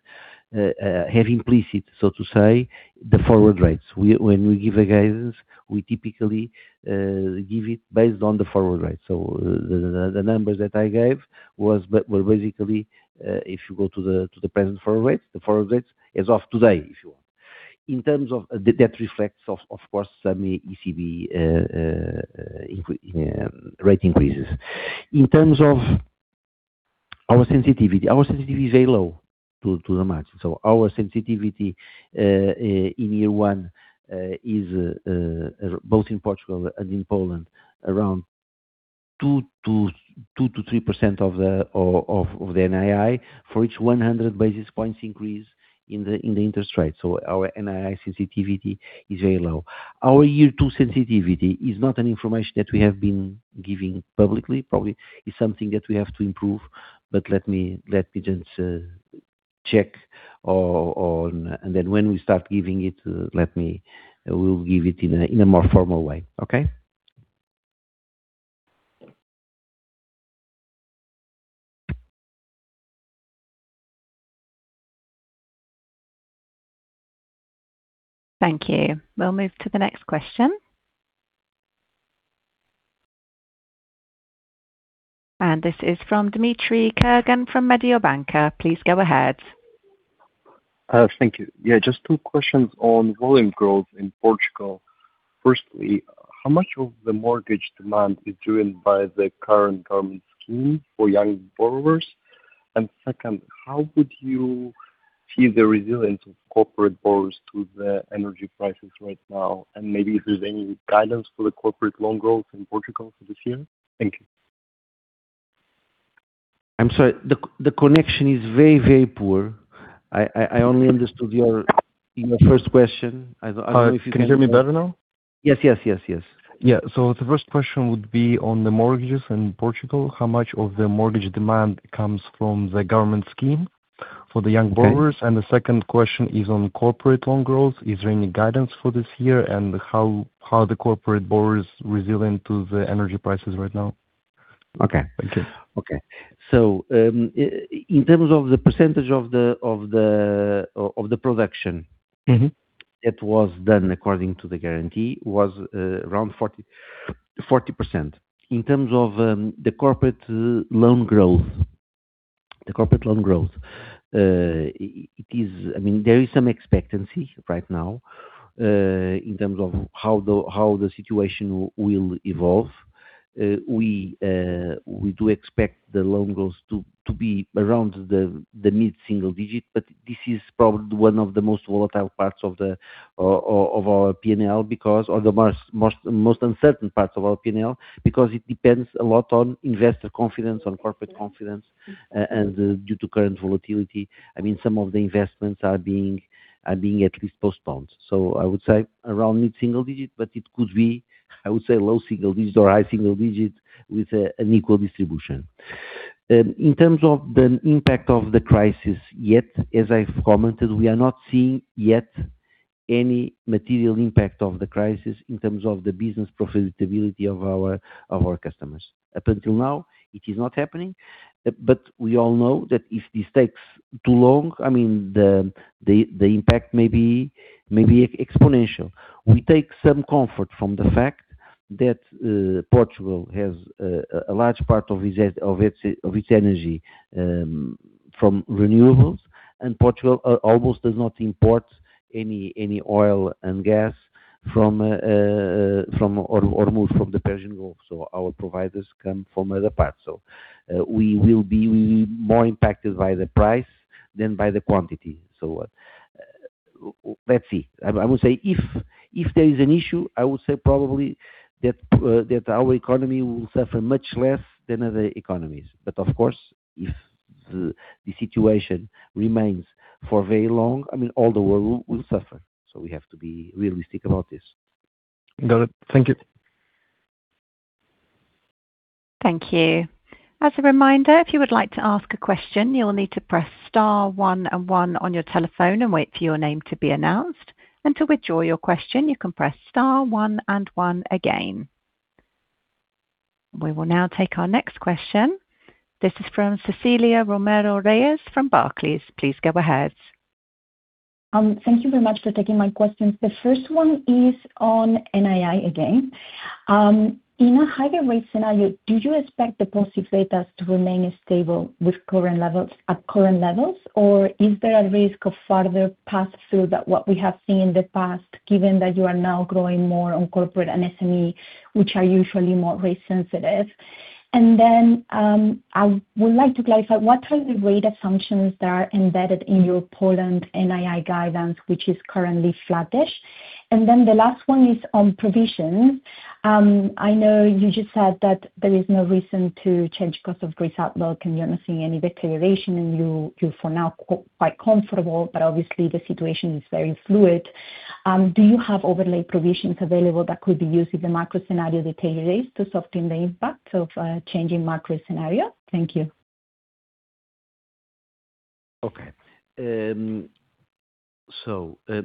have implicit, so to say, the forward rates. When we give a guidance, we typically give it based on the forward rates. The numbers that I gave were basically, if you go to the present forward rates, the forward rates as of today, if you want. In terms of that reflects of course some ECB rate increases. In terms of our sensitivity, our sensitivity is very low to the margin. Our sensitivity in year one is both in Portugal and in Poland, around 2% to 3% of the NII for each 100 basis points increase in the interest rate. Our NII sensitivity is very low. Our year two sensitivity is not an information that we have been giving publicly. Probably is something that we have to improve. Let me just check on, and then when we start giving it, we'll give it in a, in a more formal way. Okay? Thank you. We'll move to the next question. This is from Dmitry Kogan from Mediobanca. Please go ahead. thank you. Yeah, just two questions on volume growth in Portugal. Firstly, how much of the mortgage demand is driven by the current government scheme for young borrowers? Second, how would you see the resilience of corporate borrowers to the energy prices right now? Maybe if there's any guidance for the corporate loan growth in Portugal for this year. Thank you. I'm sorry. The connection is very, very poor. I only understood your first question. I don't know if you can- Can you hear me better now? Yes. Yeah. The first question would be on the mortgages in Portugal. How much of the mortgage demand comes from the government scheme for the young borrowers? Okay. The second question is on corporate loan growth. Is there any guidance for this year, and how the corporate borrower is resilient to the energy prices right now? Okay. Thank you. in terms of the percentage of the production- that was done according to the guarantee was around 40%. In terms of the corporate loan growth, it is, I mean, there is some expectancy right now, in terms of how the situation will evolve. We do expect the loan growth to be around the mid-single digit, but this is probably one of the most volatile parts of our P&L because, or the most uncertain parts of our P&L, because it depends a lot on investor confidence, on corporate confidence. Due to current volatility, I mean, some of the investments are being at least postponed. I would say around mid-single digit, but it could be, I would say, low single digit or high single digit with an equal distribution. In terms of the impact of the crisis yet, as I've commented, we are not seeing yet any material impact of the crisis in terms of the business profitability of our customers. Up until now, it is not happening. We all know that if this takes too long, I mean, the impact may be exponential. We take some comfort from the fact that Portugal has a large part of its energy from renewables, and Portugal almost does not import any oil and gas from or most from the Persian Gulf. Our providers come from other parts. We will be more impacted by the price than by the quantity. Let's see. I would say if there is an issue, I would say probably that our economy will suffer much less than other economies. Of course, if the situation remains for very long, I mean, all the world will suffer. We have to be realistic about this. Got it. Thank you. Thank you. As a reminder, if you would like to ask a question, you'll need to press star one and one on your telephone and wait for your name to be announced. To withdraw your question, you can press star one and one again. We will now take our next question. This is from Cecilia Romero Reyes from Barclays. Please go ahead. Thank you very much for taking my questions. The first one is on NII again. In a higher rate scenario, do you expect deposit betas to remain stable with current levels, at current levels, or is there a risk of further pass-through that what we have seen in the past, given that you are now growing more on corporate and SME, which are usually more rate sensitive? I would like to clarify, what are the rate assumptions that are embedded in your Poland NII guidance, which is currently flattish? The last one is on provision. I know you just said that there is no reason to change cost of risk outlook, and you're not seeing any deterioration, and you for now quite comfortable, but obviously the situation is very fluid. Do you have overlay provisions available that could be used if the macro scenario deteriorates to soften the impact of changing macro scenario? Thank you.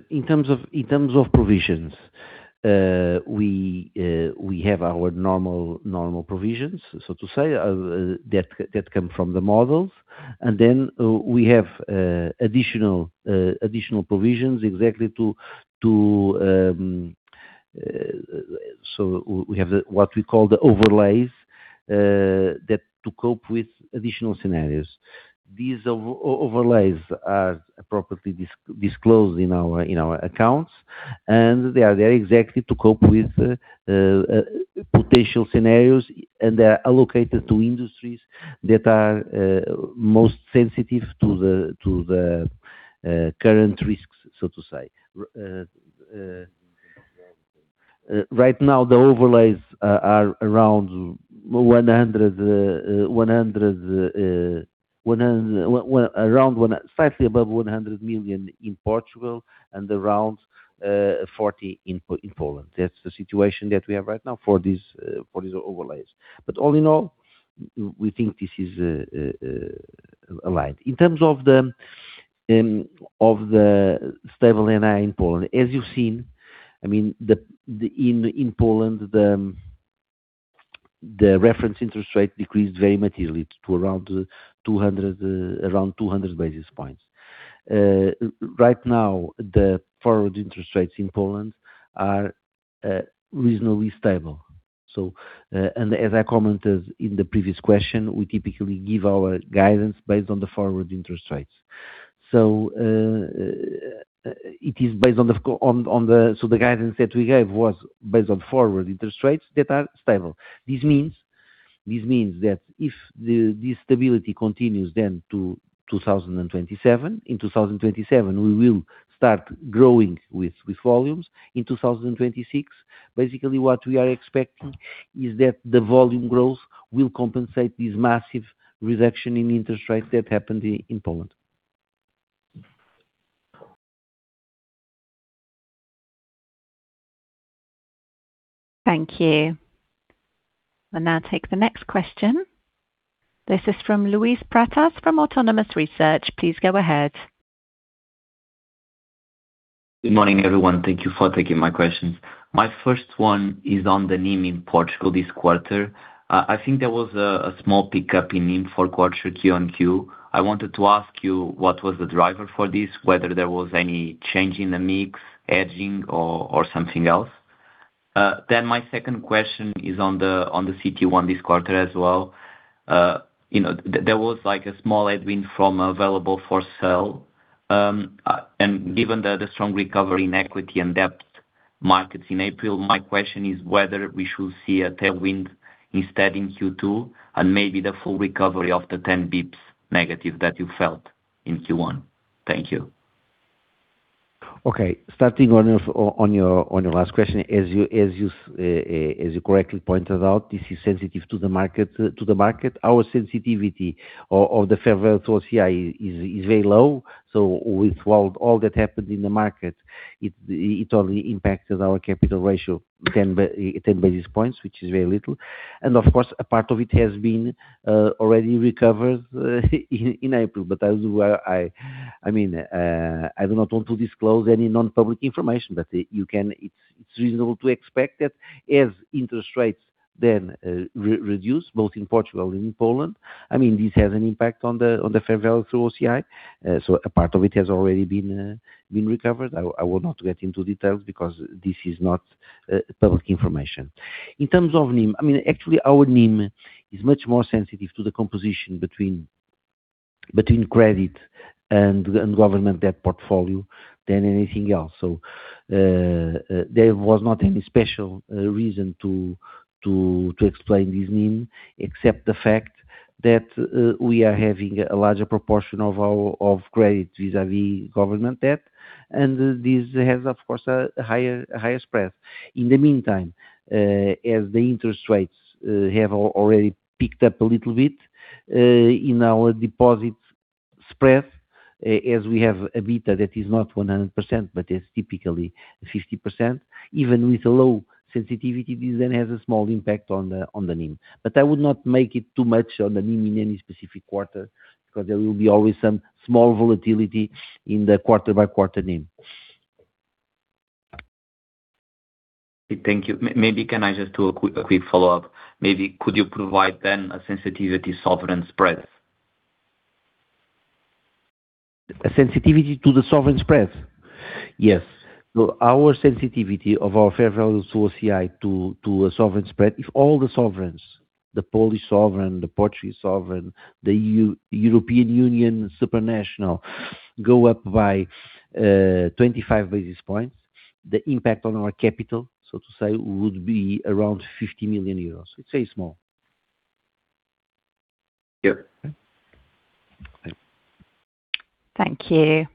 In terms of provisions, we have our normal provisions, so to say, that come from the models. We have additional provisions exactly to we have the what we call the overlays that to cope with additional scenarios. These overlays are appropriately disclosed in our accounts, and they are there exactly to cope with potential scenarios, and they are allocated to industries that are most sensitive to the current risks, so to say. Right now, the overlays are around 100 million in Portugal and around 40 million in Poland. That's the situation that we have right now for these overlays. All in all, we think this is aligned. In terms of the stable NII in Poland, as you've seen, I mean, the reference interest rate in Poland decreased very materially to around 200 basis points. Right now, the forward interest rates in Poland are reasonably stable. As I commented in the previous question, we typically give our guidance based on the forward interest rates. The guidance that we gave was based on forward interest rates that are stable. This means that this stability continues then to 2027, in 2027, we will start growing with volumes. In 2026, basically what we are expecting is that the volume growth will compensate this massive reduction in interest rates that happened in Poland. Thank you. We'll now take the next question. This is from Luis Pratas from Autonomous Research. Please go ahead. Good morning, everyone. Thank you for taking my questions. My first one is on the NIM in Portugal this quarter. I think there was a small pickup in NIM for quarter Q-on-Q. I wanted to ask you what was the driver for this, whether there was any change in the mix, hedging or something else. My second question is on the CET1 this quarter as well. You know, there was like a small headwind from available for sale. Given the strong recovery in equity and debt markets in April, my question is whether we should see a tailwind instead in Q2, and maybe the full recovery of the -10 basis points that you felt in Q1. Thank you. Okay. Starting on your last question, as you correctly pointed out, this is sensitive to the market. Our sensitivity of the fair value to OCI is very low. With all that happened in the market, it only impacted our capital ratio 10 basis points, which is very little. Of course, a part of it has been already recovered in April. As we were, I mean, I do not want to disclose any non-public information, but you can, it's reasonable to expect that as interest rates then reduce both in Portugal and in Poland, I mean, this has an impact on the fair value through OCI. A part of it has already been recovered. I will not get into details because this is not public information. In terms of NIM, I mean, actually, our NIM is much more sensitive to the composition between credit and government debt portfolio than anything else. There was not any special reason to explain this NIM except the fact that we are having a larger proportion of our credit vis-à-vis government debt, and this has, of course, a higher spread. In the meantime, as the interest rates have already picked up a little bit in our deposit spread, as we have a beta that is not 100%, but is typically 50%, even with a low sensitivity, this then has a small impact on the NIM. I would not make it too much on the NIM in any specific quarter because there will be always some small volatility in the quarter by quarter NIM. Thank you. Maybe can I just do a quick follow-up? Maybe could you provide then a sensitivity sovereign spread? A sensitivity to the sovereign spread? Yes. Our sensitivity of our fair value to OCI to a sovereign spread, if all the sovereigns, the Polish sovereign, the Portuguese sovereign, the European Union Supranational go up by 25 basis points, the impact on our capital, so to say, would be around 50 million euros. It's very small. Yeah. Thank you.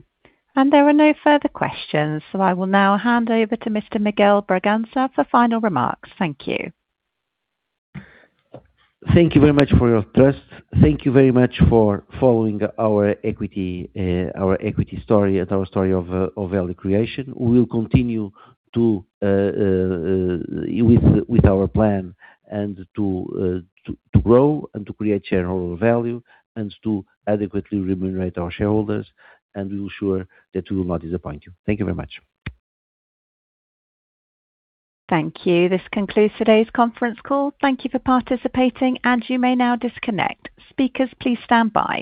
There are no further questions. I will now hand over to Mr. Miguel Bragança for final remarks. Thank you. Thank you very much for your trust. Thank you very much for following our equity, our equity story and our story of value creation. We will continue with our plan and to grow and to create shareholder value and to adequately remunerate our shareholders. We will ensure that we will not disappoint you. Thank you very much. Thank you. This concludes today's conference call. Thank you for participating, and you may now disconnect. Speakers, please stand by.